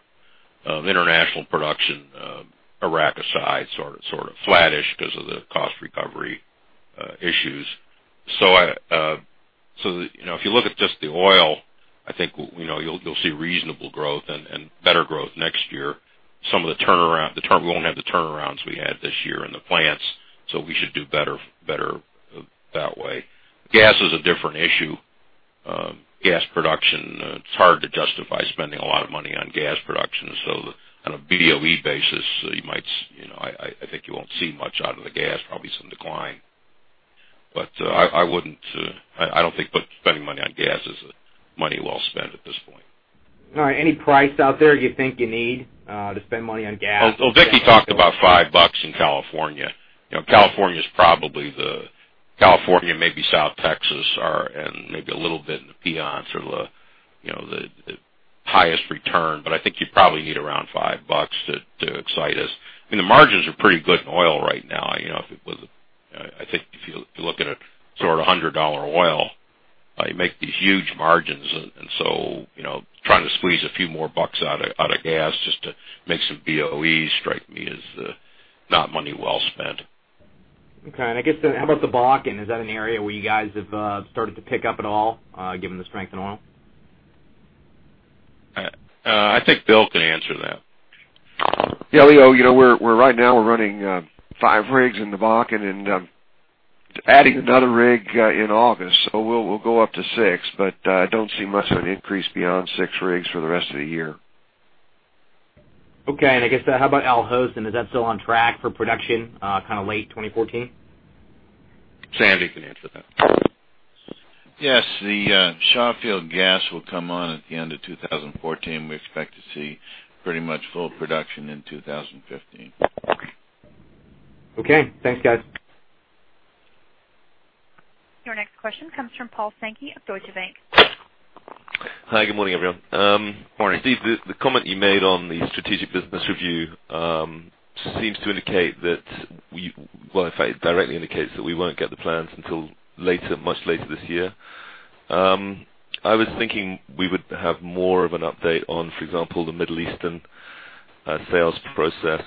International production, Iraq aside, sort of flattish because of the cost recovery issues. If you look at just the oil, I think you'll see reasonable growth and better growth next year. We won't have the turnarounds we had this year in the plants, so we should do better that way. Gas is a different issue. Gas production, it's hard to justify spending a lot of money on gas production, and so on a BOE basis, I think you won't see much out of the gas, probably some decline. I don't think spending money on gas is money well spent at this point. All right. Any price out there you think you need to spend money on gas? Vicki talked about $5 in California. California and maybe South Texas are, and maybe a little bit in the Piñon, sort of the highest return, but I think you probably need around $5 to excite us. The margins are pretty good in oil right now. I think if you look at it, sort of $100 oil, you make these huge margins, and so trying to squeeze a few more dollars out of gas just to make some BOE strike me as not money well spent. Okay. I guess, how about the Bakken? Is that an area where you guys have started to pick up at all, given the strength in oil? I think Bill can answer that. Leo, right now we're running five rigs in the Bakken and adding another rig in August. We'll go up to six, I don't see much of an increase beyond six rigs for the rest of the year. Okay. I guess, how about Al Hosn? Is that still on track for production kind of late 2014? Sandy can answer that. Yes. The Shah field gas will come on at the end of 2014. We expect to see pretty much full production in 2015. Okay. Thanks, guys. Your next question comes from Paul Sankey of Deutsche Bank. Hi, good morning, everyone. Morning. Steve, the comment you made on the strategic business review seems to indicate that, well, in fact, it directly indicates that we won't get the plans until much later this year. I was thinking we would have more of an update on, for example, the Middle Eastern sales process.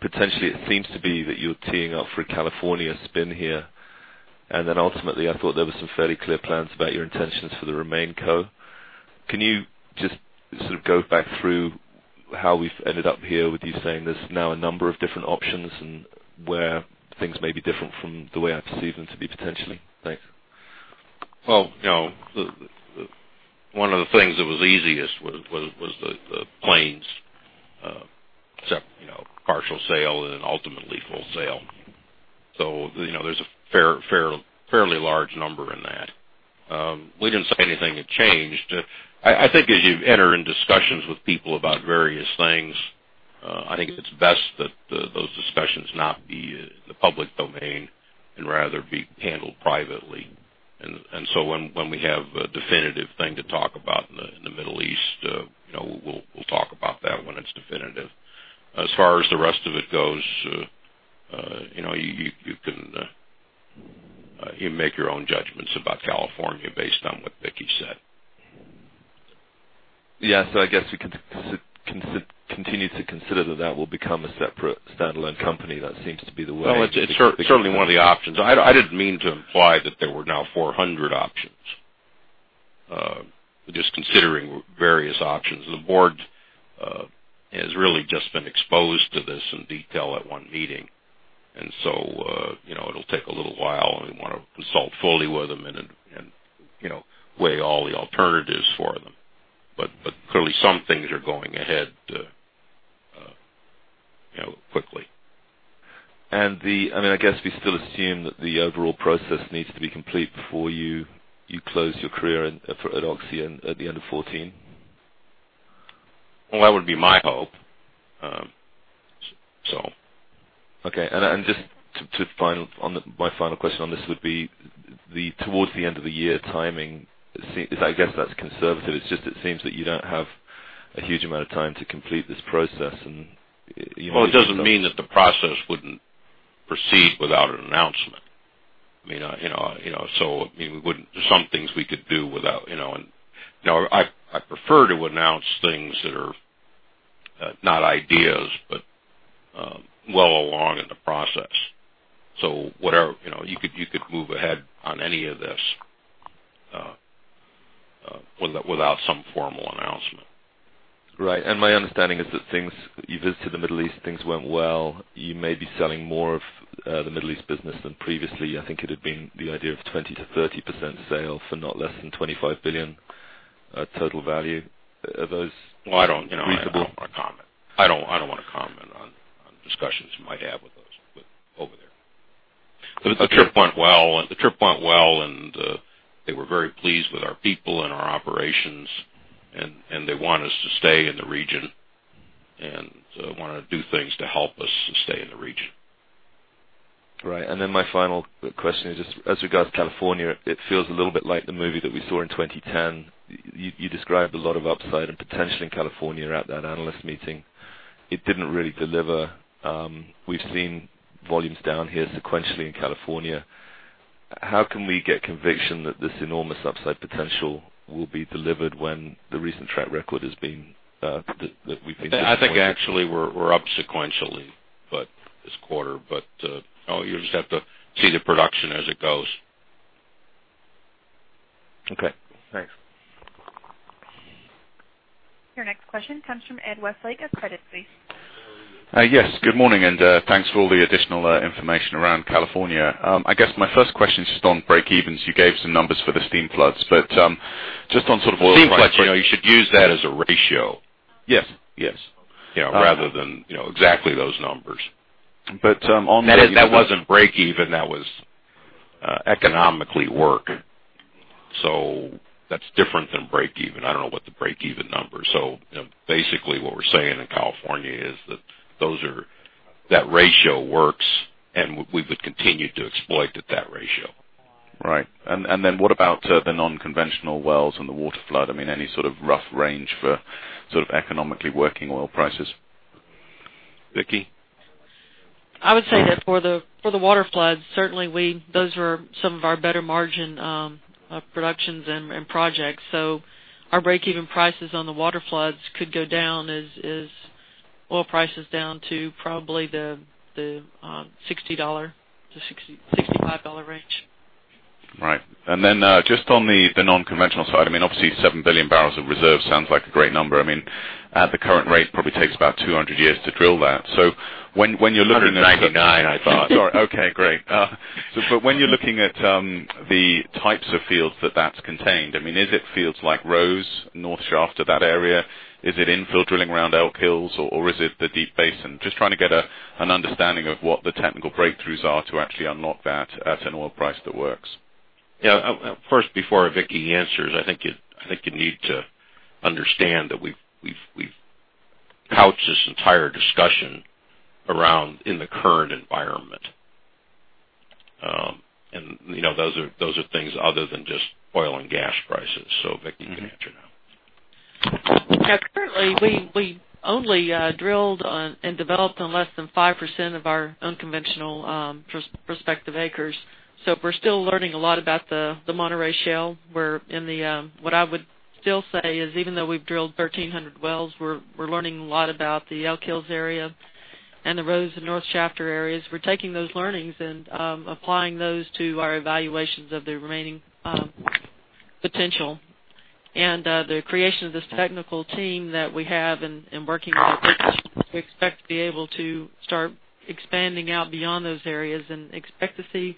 Potentially, it seems to be that you're teeing up for a California spin here, and then ultimately, I thought there were some fairly clear plans about your intentions for the RemainCo. Can you just sort of go back through how we've ended up here with you saying there's now a number of different options and where things may be different from the way I perceive them to be potentially? Thanks. Well, one of the things that was easiest was the Plains, except partial sale and then ultimately full sale. There's a fairly large number in that. We didn't say anything had changed. I think as you enter in discussions with people about various things, I think it's best that those discussions not be in the public domain and rather be handled privately. When we have a definitive thing to talk about in the Middle East, we'll talk about that when it's definitive. As far as the rest of it goes, you can make your own judgments about California based on what Vicki said. Yes. I guess we continue to consider that that will become a separate standalone company. That seems to be the way. Well, it's certainly one of the options. I didn't mean to imply that there were now 400 options. We're just considering various options. The board has really just been exposed to this in detail at one meeting, it'll take a little while, and we want to consult fully with them and weigh all the alternatives for them. Clearly some things are going ahead quickly. I guess we still assume that the overall process needs to be complete before you close your career at Oxy and at the end of 2014? Well, that would be my hope. Okay. Just my final question on this would be towards the end of the year timing, I guess that's conservative. It's just that it seems that you don't have a huge amount of time to complete this process. Well, it doesn't mean that the process wouldn't proceed without an announcement. There's some things we could do without. I prefer to announce things that are not ideas, but well along in the process. You could move ahead on any of this without some formal announcement. Right. My understanding is that you visited the Middle East, things went well. You may be selling more of the Middle East business than previously. I think it had been the idea of 20%-30% sale for not less than $25 billion total value. Are those reasonable? I don't want to comment. I don't want to comment on discussions we might have over there. The trip went well, and they were very pleased with our people and our operations, and they want us to stay in the region and want to do things to help us to stay in the region. Right. My final question is just as regards to California, it feels a little bit like the movie that we saw in 2010. You described a lot of upside and potential in California at that analyst meeting. It didn't really deliver. We've seen volumes down here sequentially in California. How can we get conviction that this enormous upside potential will be delivered when the recent track record that we've been seeing? I think actually we're up sequentially this quarter, you'll just have to see the production as it goes. Okay, thanks. Your next question comes from Ed Westlake of Credit Suisse. Yes, good morning, thanks for all the additional information around California. I guess my first question is just on breakevens. You gave some numbers for the steam floods, but just on sort of oil price- Steam flood, you should use that as a ratio. Yes. Rather than exactly those numbers. But on the- That wasn't breakeven. That was economically working. That's different than breakeven. I don't know what the breakeven number is. Basically what we're saying in California is that that ratio works, and we would continue to exploit at that ratio. Right. What about the non-conventional wells and the water flood? Any sort of rough range for economically working oil prices? Vicki? I would say that for the water floods, certainly those are some of our better margin productions and projects. Our breakeven prices on the water floods could go down as oil prices down to probably the $60-$65 range. Right. Then just on the non-conventional side, obviously 7 billion barrels of reserves sounds like a great number. At the current rate, probably takes about 200 years to drill that. When you're looking at- 199, I thought. Sorry. Okay, great. When you're looking at the types of fields that that's contained, is it fields like Rose, North Shafter, that area? Is it infill drilling around Elk Hills, or is it the deep basin? Just trying to get an understanding of what the technical breakthroughs are to actually unlock that at an oil price that works. Yeah. First, before Vicki answers, I think you need to understand that we've Couch this entire discussion around in the current environment. Those are things other than just oil and gas prices. Vicki, you can answer now. Yeah. Currently, we only drilled and developed on less than 5% of our unconventional prospective acres. We're still learning a lot about the Monterey Shale. What I would still say is, even though we've drilled 1,300 wells, we're learning a lot about the Elk Hills area and the Rose and North Shafter areas. We're taking those learnings and applying those to our evaluations of the remaining potential. The creation of this technical team that we have and working with we expect to be able to start expanding out beyond those areas and expect to see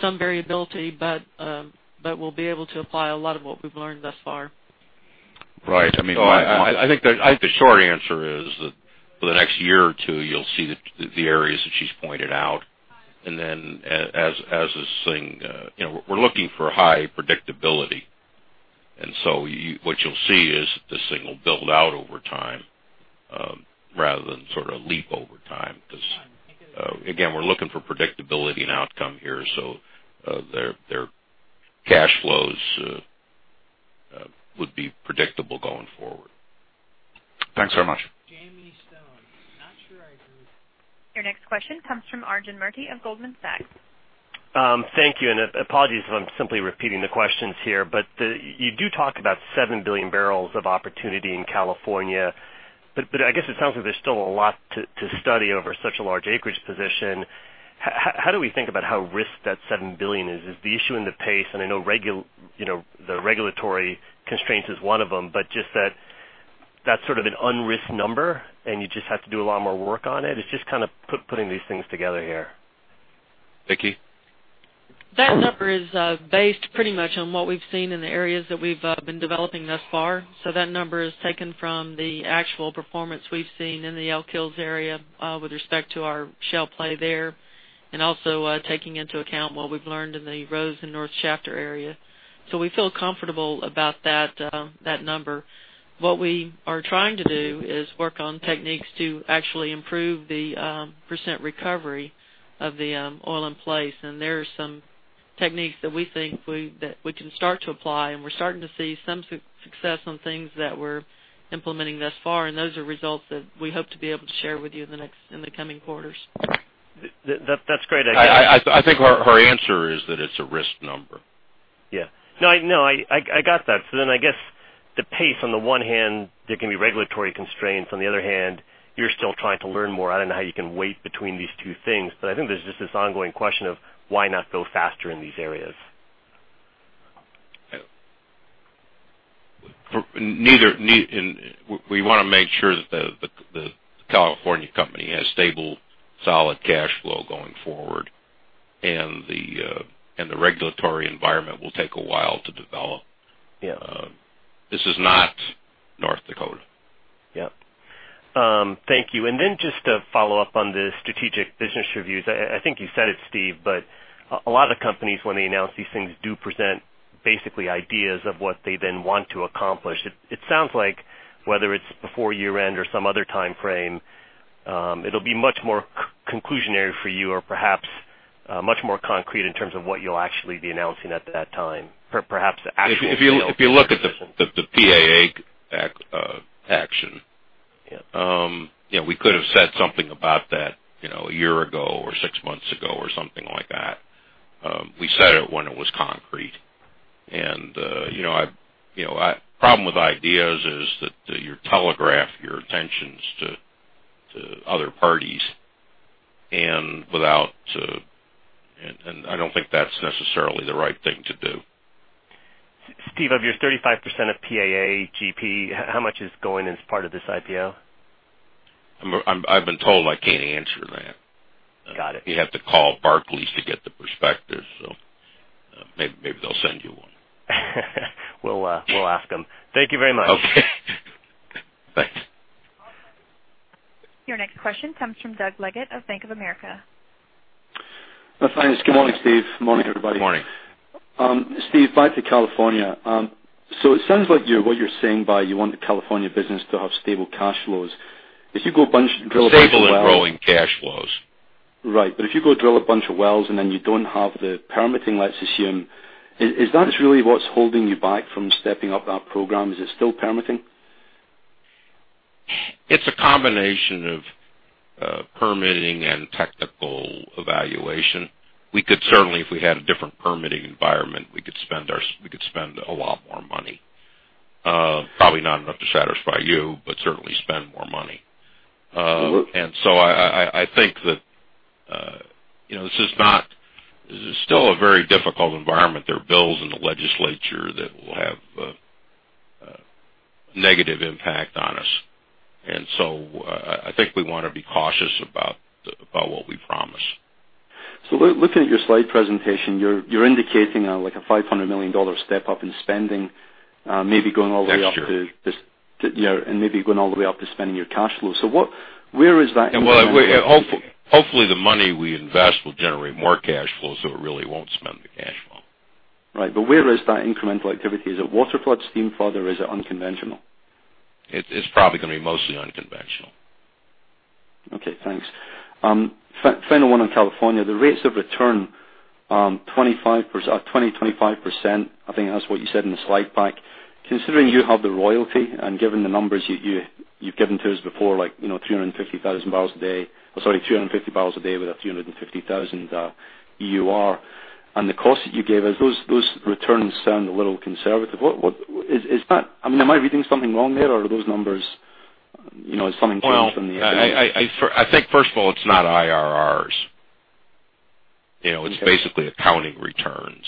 some variability, but we'll be able to apply a lot of what we've learned thus far. Right. I think the short answer is that for the next year or two, you'll see the areas that she's pointed out. We're looking for high predictability. What you'll see is this thing will build out over time rather than sort of leap over time, because, again, we're looking for predictability and outcome here, so their cash flows would be predictable going forward. Thanks very much. Jamie Stone. Not sure I heard. Your next question comes from Arjun Murti of Goldman Sachs. Thank you. Apologies if I'm simply repeating the questions here. You do talk about 7 billion barrels of opportunity in California, I guess it sounds like there's still a lot to study over such a large acreage position. How do we think about how risked that 7 billion is? Is the issue in the pace, and I know the regulatory constraints is one of them, just that that's sort of an unrisked number and you just have to do a lot more work on it? It's just kind of putting these things together here. Vicki? That number is based pretty much on what we've seen in the areas that we've been developing thus far. That number is taken from the actual performance we've seen in the Elk Hills area with respect to our shale play there, and also taking into account what we've learned in the Rose and North Shafter area. We feel comfortable about that number. What we are trying to do is work on techniques to actually improve the % recovery of the oil in place, and there are some techniques that we think that we can start to apply, and we're starting to see some success on things that we're implementing thus far, and those are results that we hope to be able to share with you in the coming quarters. That's great. I think her answer is that it's a risked number. Yeah. No, I got that. I guess the pace, on the one hand, there can be regulatory constraints, on the other hand, you're still trying to learn more. I don't know how you can weigh between these two things, but I think there's just this ongoing question of why not go faster in these areas. We want to make sure that the California company has stable, solid cash flow going forward, the regulatory environment will take a while to develop. Yeah. This is not North Dakota. Yep. Thank you. Just to follow up on the strategic business reviews. I think you said it, Steve, but a lot of companies, when they announce these things, do present basically ideas of what they then want to accomplish. It sounds like whether it's before year-end or some other time frame, it'll be much more conclusionary for you or perhaps much more concrete in terms of what you'll actually be announcing at that time. If you look at the PAA action. Yeah. We could have said something about that a year ago or 6 months ago or something like that. We said it when it was concrete. The problem with ideas is that you telegraph your intentions to other parties, and I don't think that's necessarily the right thing to do. Steve, of your 35% of PAAGP, how much is going as part of this IPO? I've been told I can't answer that. Got it. You'd have to call Barclays to get the prospectus. Maybe they'll send you one. We'll ask them. Thank you very much. Okay. Thanks. Your next question comes from Douglas Leggate of Bank of America. Thanks. Good morning, Steve. Morning, everybody. Morning. Steve, back to California. It sounds like what you're saying by you want the California business to have stable cash flows. If you go bunch, drill a bunch of wells. Stable and growing cash flows. If you go drill a bunch of wells and then you don't have the permitting, let's assume, is that really what's holding you back from stepping up that program? Is it still permitting? It's a combination of permitting and technical evaluation. We could certainly, if we had a different permitting environment, we could spend a lot more money. Probably not enough to satisfy you, but certainly spend more money. Sure. I think that this is still a very difficult environment. There are bills in the legislature that will have a negative impact on us. I think we want to be cautious about what we promise. Looking at your slide presentation, you're indicating like a $500 million step-up in spending, maybe going all the way up to- Next year. Yeah. Maybe going all the way up to spending your cash flow. Where is that in the- Well, hopefully, the money we invest will generate more cash flow, so it really won't spend the cash flow. Right. Where is that incremental activity? Is it waterflood, steam flood, or is it unconventional? It's probably going to be mostly unconventional. Okay, thanks. Final one on California. The rates of return, 20%-25%, I think that's what you said in the slide back. Considering you have the royalty, and given the numbers you've given to us before, like 350,000 barrels a day, or sorry, 350 barrels a day with a 350,000 EUR, and the cost that you gave us, those returns sound a little conservative. Am I reading something wrong there, or are those numbers, has something changed from the I think first of all, it's not IRRs. Okay. It's basically accounting returns.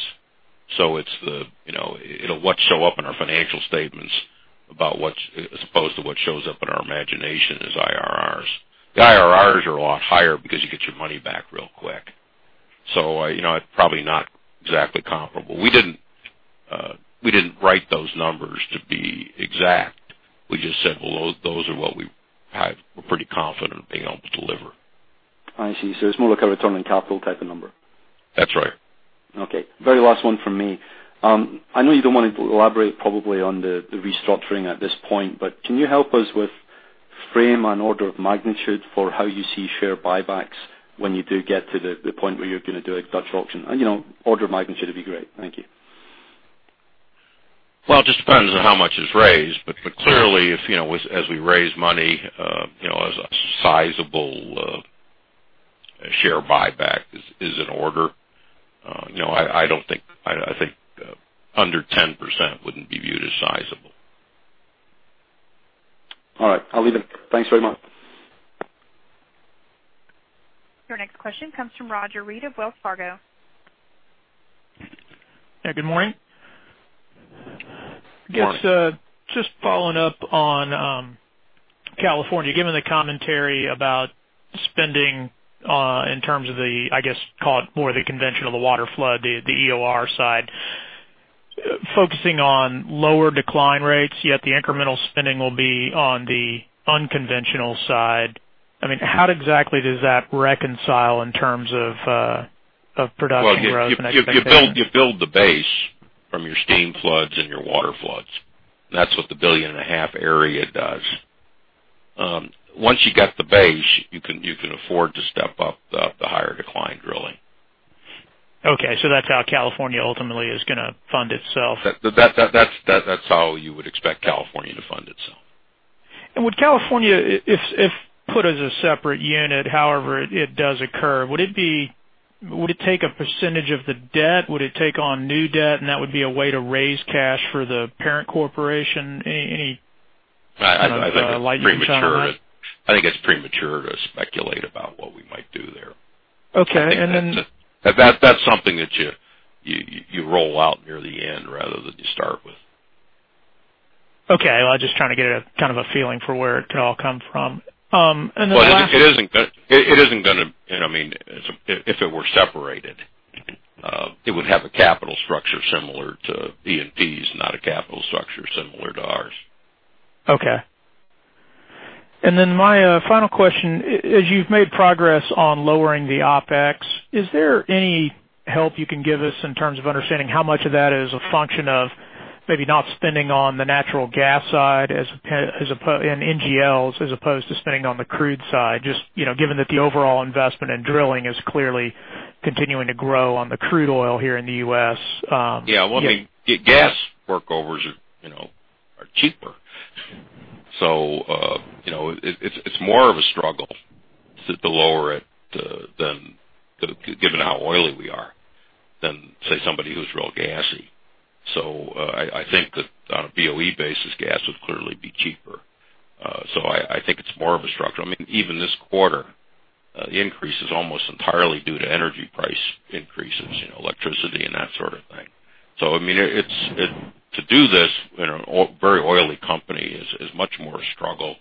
It'll what show up in our financial statements about what's, as opposed to what shows up in our imagination as IRRs. The IRRs are a lot higher because you get your money back real quick. It's probably not exactly comparable. We didn't write those numbers to be exact. We just said, "Well, those are what we have, we're pretty confident of being able to deliver. I see. It's more like a return on capital type of number. That's right. Okay. Very last one from me. I know you don't want to elaborate probably on the restructuring at this point, can you help us with frame and order of magnitude for how you see share buybacks when you do get to the point where you're going to do a Dutch auction? Order of magnitude would be great. Thank you. Well, it just depends on how much is raised. Clearly, as we raise money, a sizable share buyback is in order. I think under 10% wouldn't be viewed as sizable. All right. I'll leave it. Thanks very much. Your next question comes from Roger Read of Wells Fargo. Yeah, good morning. Morning. Just following up on California. Given the commentary about spending in terms of the, call it more the conventional, the waterflood, the EOR side. Focusing on lower decline rates, yet the incremental spending will be on the unconventional side. How exactly does that reconcile in terms of production growth and expectation? You build the base from your steam floods and your waterfloods. That's what the billion and a half area does. Once you got the base, you can afford to step up the higher decline drilling. Okay. That's how California ultimately is going to fund itself. That's how you would expect California to fund itself. Would California, if put as a separate unit, however it does occur, would it take a percentage of the debt? Would it take on new debt, and that would be a way to raise cash for the parent corporation? Any light you can shine on that? I think it's premature to speculate about what we might do there. Okay. That's something that you roll out near the end rather than you start with. Okay. I was just trying to get a feeling for where it could all come from. The last- If it were separated, it would have a capital structure similar to E&P's, not a capital structure similar to ours. Okay. My final question, as you've made progress on lowering the OpEx, is there any help you can give us in terms of understanding how much of that is a function of maybe not spending on the natural gas side and NGLs as opposed to spending on the crude side? Just given that the overall investment in drilling is clearly continuing to grow on the crude oil here in the U.S. Gas workovers are cheaper. It's more of a struggle to lower it than, given how oily we are, than, say, somebody who's real gassy. I think that on a BOE basis, gas would clearly be cheaper. I think it's more of a struggle. Even this quarter, the increase is almost entirely due to energy price increases, electricity and that sort of thing. To do this in a very oily company is much more a struggle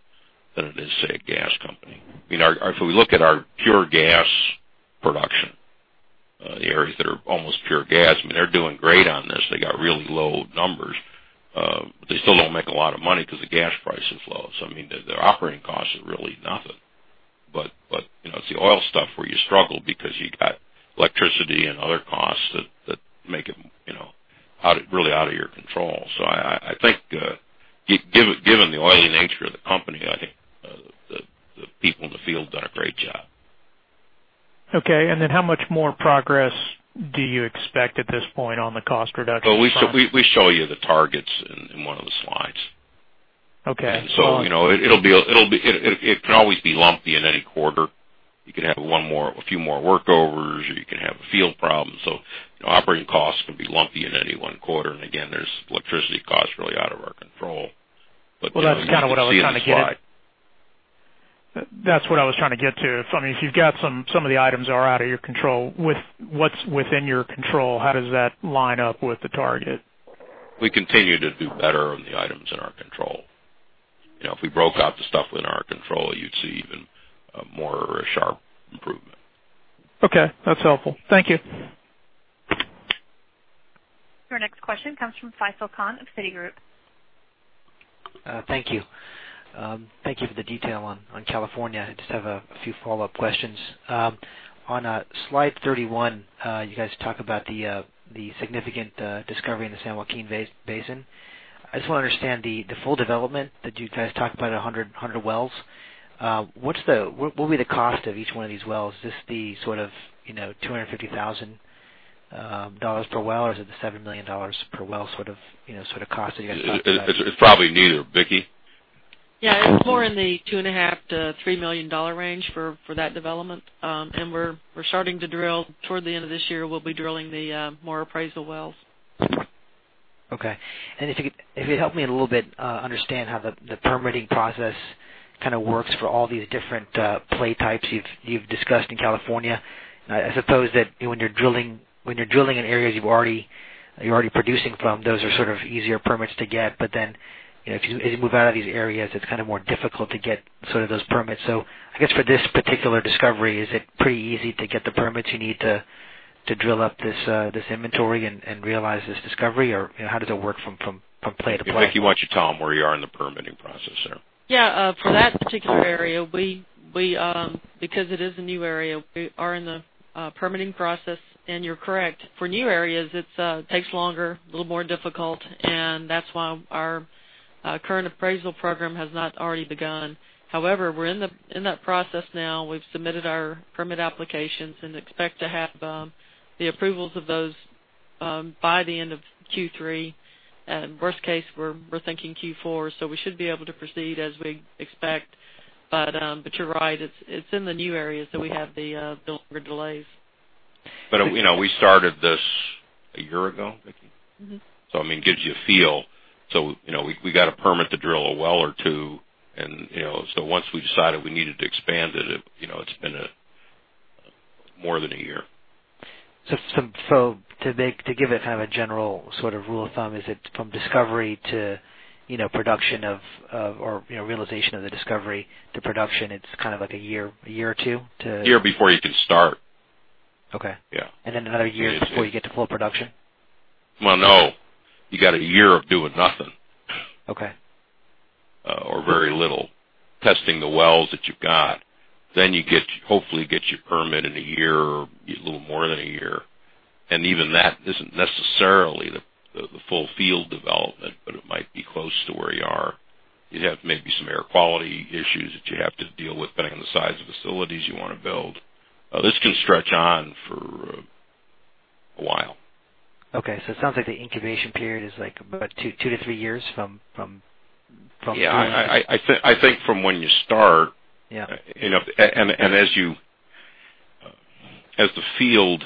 than it is, say, a gas company. If we look at our pure gas production, the areas that are almost pure gas, they're doing great on this. They got really low numbers. They still don't make a lot of money because the gas price is low. Their operating cost is really nothing. It's the oil stuff where you struggle because you got electricity and other costs that make it really out of your control. I think, given the oily nature of the company, I think the people in the field have done a great job. Okay. How much more progress do you expect at this point on the cost reduction front? We show you the targets in one of the slides. Okay. It can always be lumpy in any quarter. You can have a few more workovers, or you can have a field problem. Operating costs can be lumpy in any one quarter. There's electricity costs really out of our control. You can see in the slide. That's what I was trying to get at. That's what I was trying to get to. If some of the items are out of your control, what's within your control, how does that line up with the target? We continue to do better on the items in our control. If we broke out the stuff in our control, you'd see even a more sharp improvement. Okay. That's helpful. Thank you. Your next question comes from Faisel Khan of Citigroup. Thank you. Thank you for the detail on California. I just have a few follow-up questions. On slide 31, you guys talk about the significant discovery in the San Joaquin Basin. I just want to understand the full development that you guys talked about, 100 wells. What will be the cost of each one of these wells? Is this the sort of $250,000 per well, or is it the $7 million per well sort of cost that you guys talked about? It's probably neither. Vicki? Yeah. It's more in the $2.5 million-$3 million range for that development. We're starting to drill. Toward the end of this year, we'll be drilling the more appraisal wells. Okay. If you could help me a little bit understand how the permitting process works for all these different play types you've discussed in California. I suppose that when you're drilling in areas you're already producing from, those are sort of easier permits to get. As you move out of these areas, it's more difficult to get those permits. I guess for this particular discovery, is it pretty easy to get the permits you need to drill up this inventory and realize this discovery? How does it work from play to play? Vicki, why don't you tell him where you are in the permitting process there? Yeah. For that particular area, because it is a new area, we are in the permitting process. You're correct, for new areas, it takes longer, a little more difficult, and that's why our current appraisal program has not already begun. However, we're in that process now. We've submitted our permit applications and expect to have the approvals of those by the end of Q3. Worst case, we're thinking Q4. We should be able to proceed as we expect. You're right. It's in the new areas that we have the longer delays. We started this a year ago, Vicki? It gives you a feel. We got a permit to drill a well or two, once we decided we needed to expand it's been more than a year. To give it kind of a general sort of rule of thumb, is it from discovery to production or realization of the discovery to production, it's kind of like a year or two. A year before you can start. Okay. Yeah. Then another year before you get to full production? Well, no. You got a year of doing nothing. Okay. Very little. Testing the wells that you've got. You hopefully get your permit in a year or a little more than a year. Even that isn't necessarily the full field development, but it might be close to where you are. You'd have maybe some air quality issues that you have to deal with, depending on the size of facilities you want to build. This can stretch on for a while. It sounds like the incubation period is about 2-3 years from doing- I think from when you start. Yeah. As the field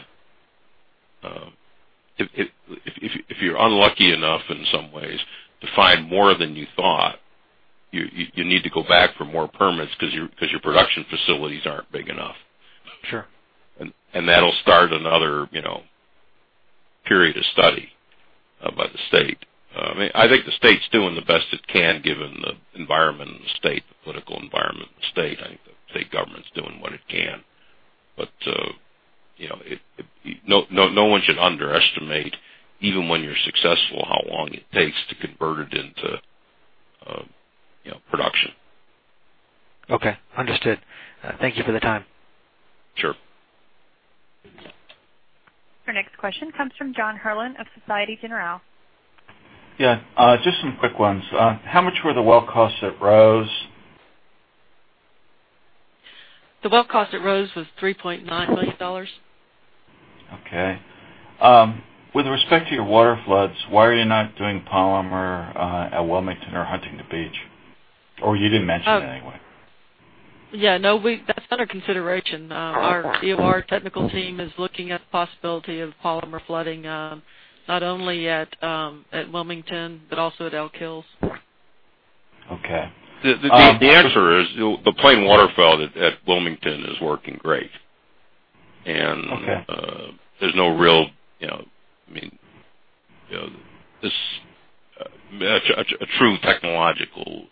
If you're unlucky enough in some ways to find more than you thought, you need to go back for more permits because your production facilities aren't big enough. Sure. That'll start another period of study by the state. I think the state's doing the best it can, given the environment in the state, the political environment in the state. I think the state government's doing what it can. No one should underestimate, even when you're successful, how long it takes to convert it into production. Okay. Understood. Thank you for the time. Sure. Our next question comes from John Herrlin of Société Générale. Yeah. Just some quick ones. How much were the well costs at Rose? The well cost at Rose was $3.9 million. Okay. With respect to your waterfloods, why are you not doing polymer at Wilmington or Huntington Beach? You didn't mention it anyway. Yeah, no. That's under consideration. Our EOR technical team is looking at the possibility of polymer flooding, not only at Wilmington, but also at Elk Hills. Okay. The answer is, the plain water flood at Wilmington is working great. Okay. There's no real true technological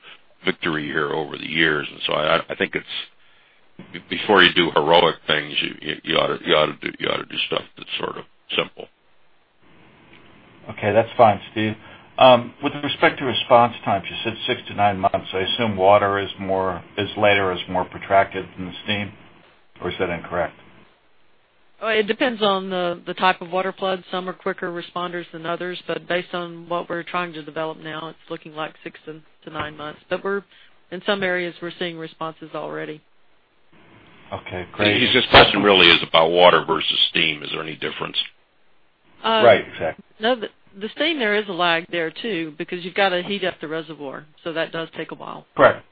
victory here over the years. I think before you do heroic things, you ought to do stuff that's sort of simple. Okay. That's fine, Steve. With respect to response times, you said six to nine months. I assume water is later, is more protracted than the steam, or is that incorrect? It depends on the type of waterflood. Some are quicker responders than others. Based on what we're trying to develop now, it's looking like six to nine months. In some areas, we're seeing responses already. Okay, great. His question really is about water versus steam. Is there any difference? Right, exactly. No. The steam, there is a lag there, too, because you've got to heat up the reservoir. That does take a while. Correct.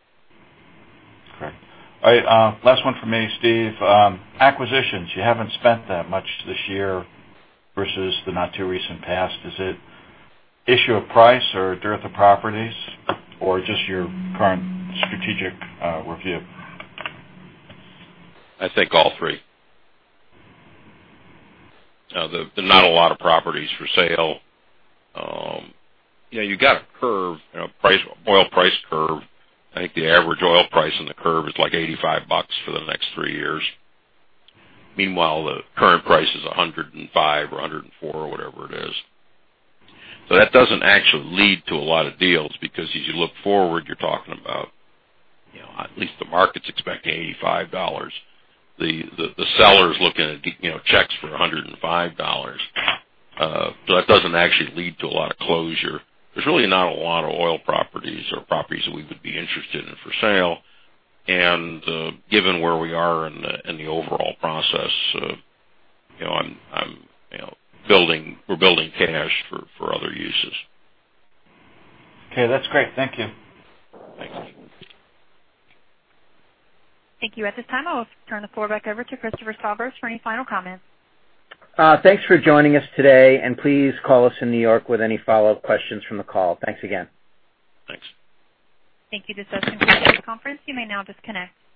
Last one from me, Steve. Acquisitions. You haven't spent that much this year versus the not too recent past. Is it issue of price or dearth of properties, or just your current strategic review? I think all three. There are not a lot of properties for sale. You got a curve, oil price curve. I think the average oil price in the curve is like $85 for the next three years. Meanwhile, the current price is $105 or $104 or whatever it is. That doesn't actually lead to a lot of deals, because as you look forward, you're talking about at least the market's expecting $85. The seller's looking at checks for $105. That doesn't actually lead to a lot of closure. There's really not a lot of oil properties or properties that we would be interested in for sale. Given where we are in the overall process, we're building cash for other uses. Okay. That's great. Thank you. Thanks. Thank you. At this time, I'll turn the floor back over to Christopher Stavros for any final comments. Thanks for joining us today. Please call us in New York with any follow-up questions from the call. Thanks again. Thanks. Thank you. This does conclude the conference. You may now disconnect.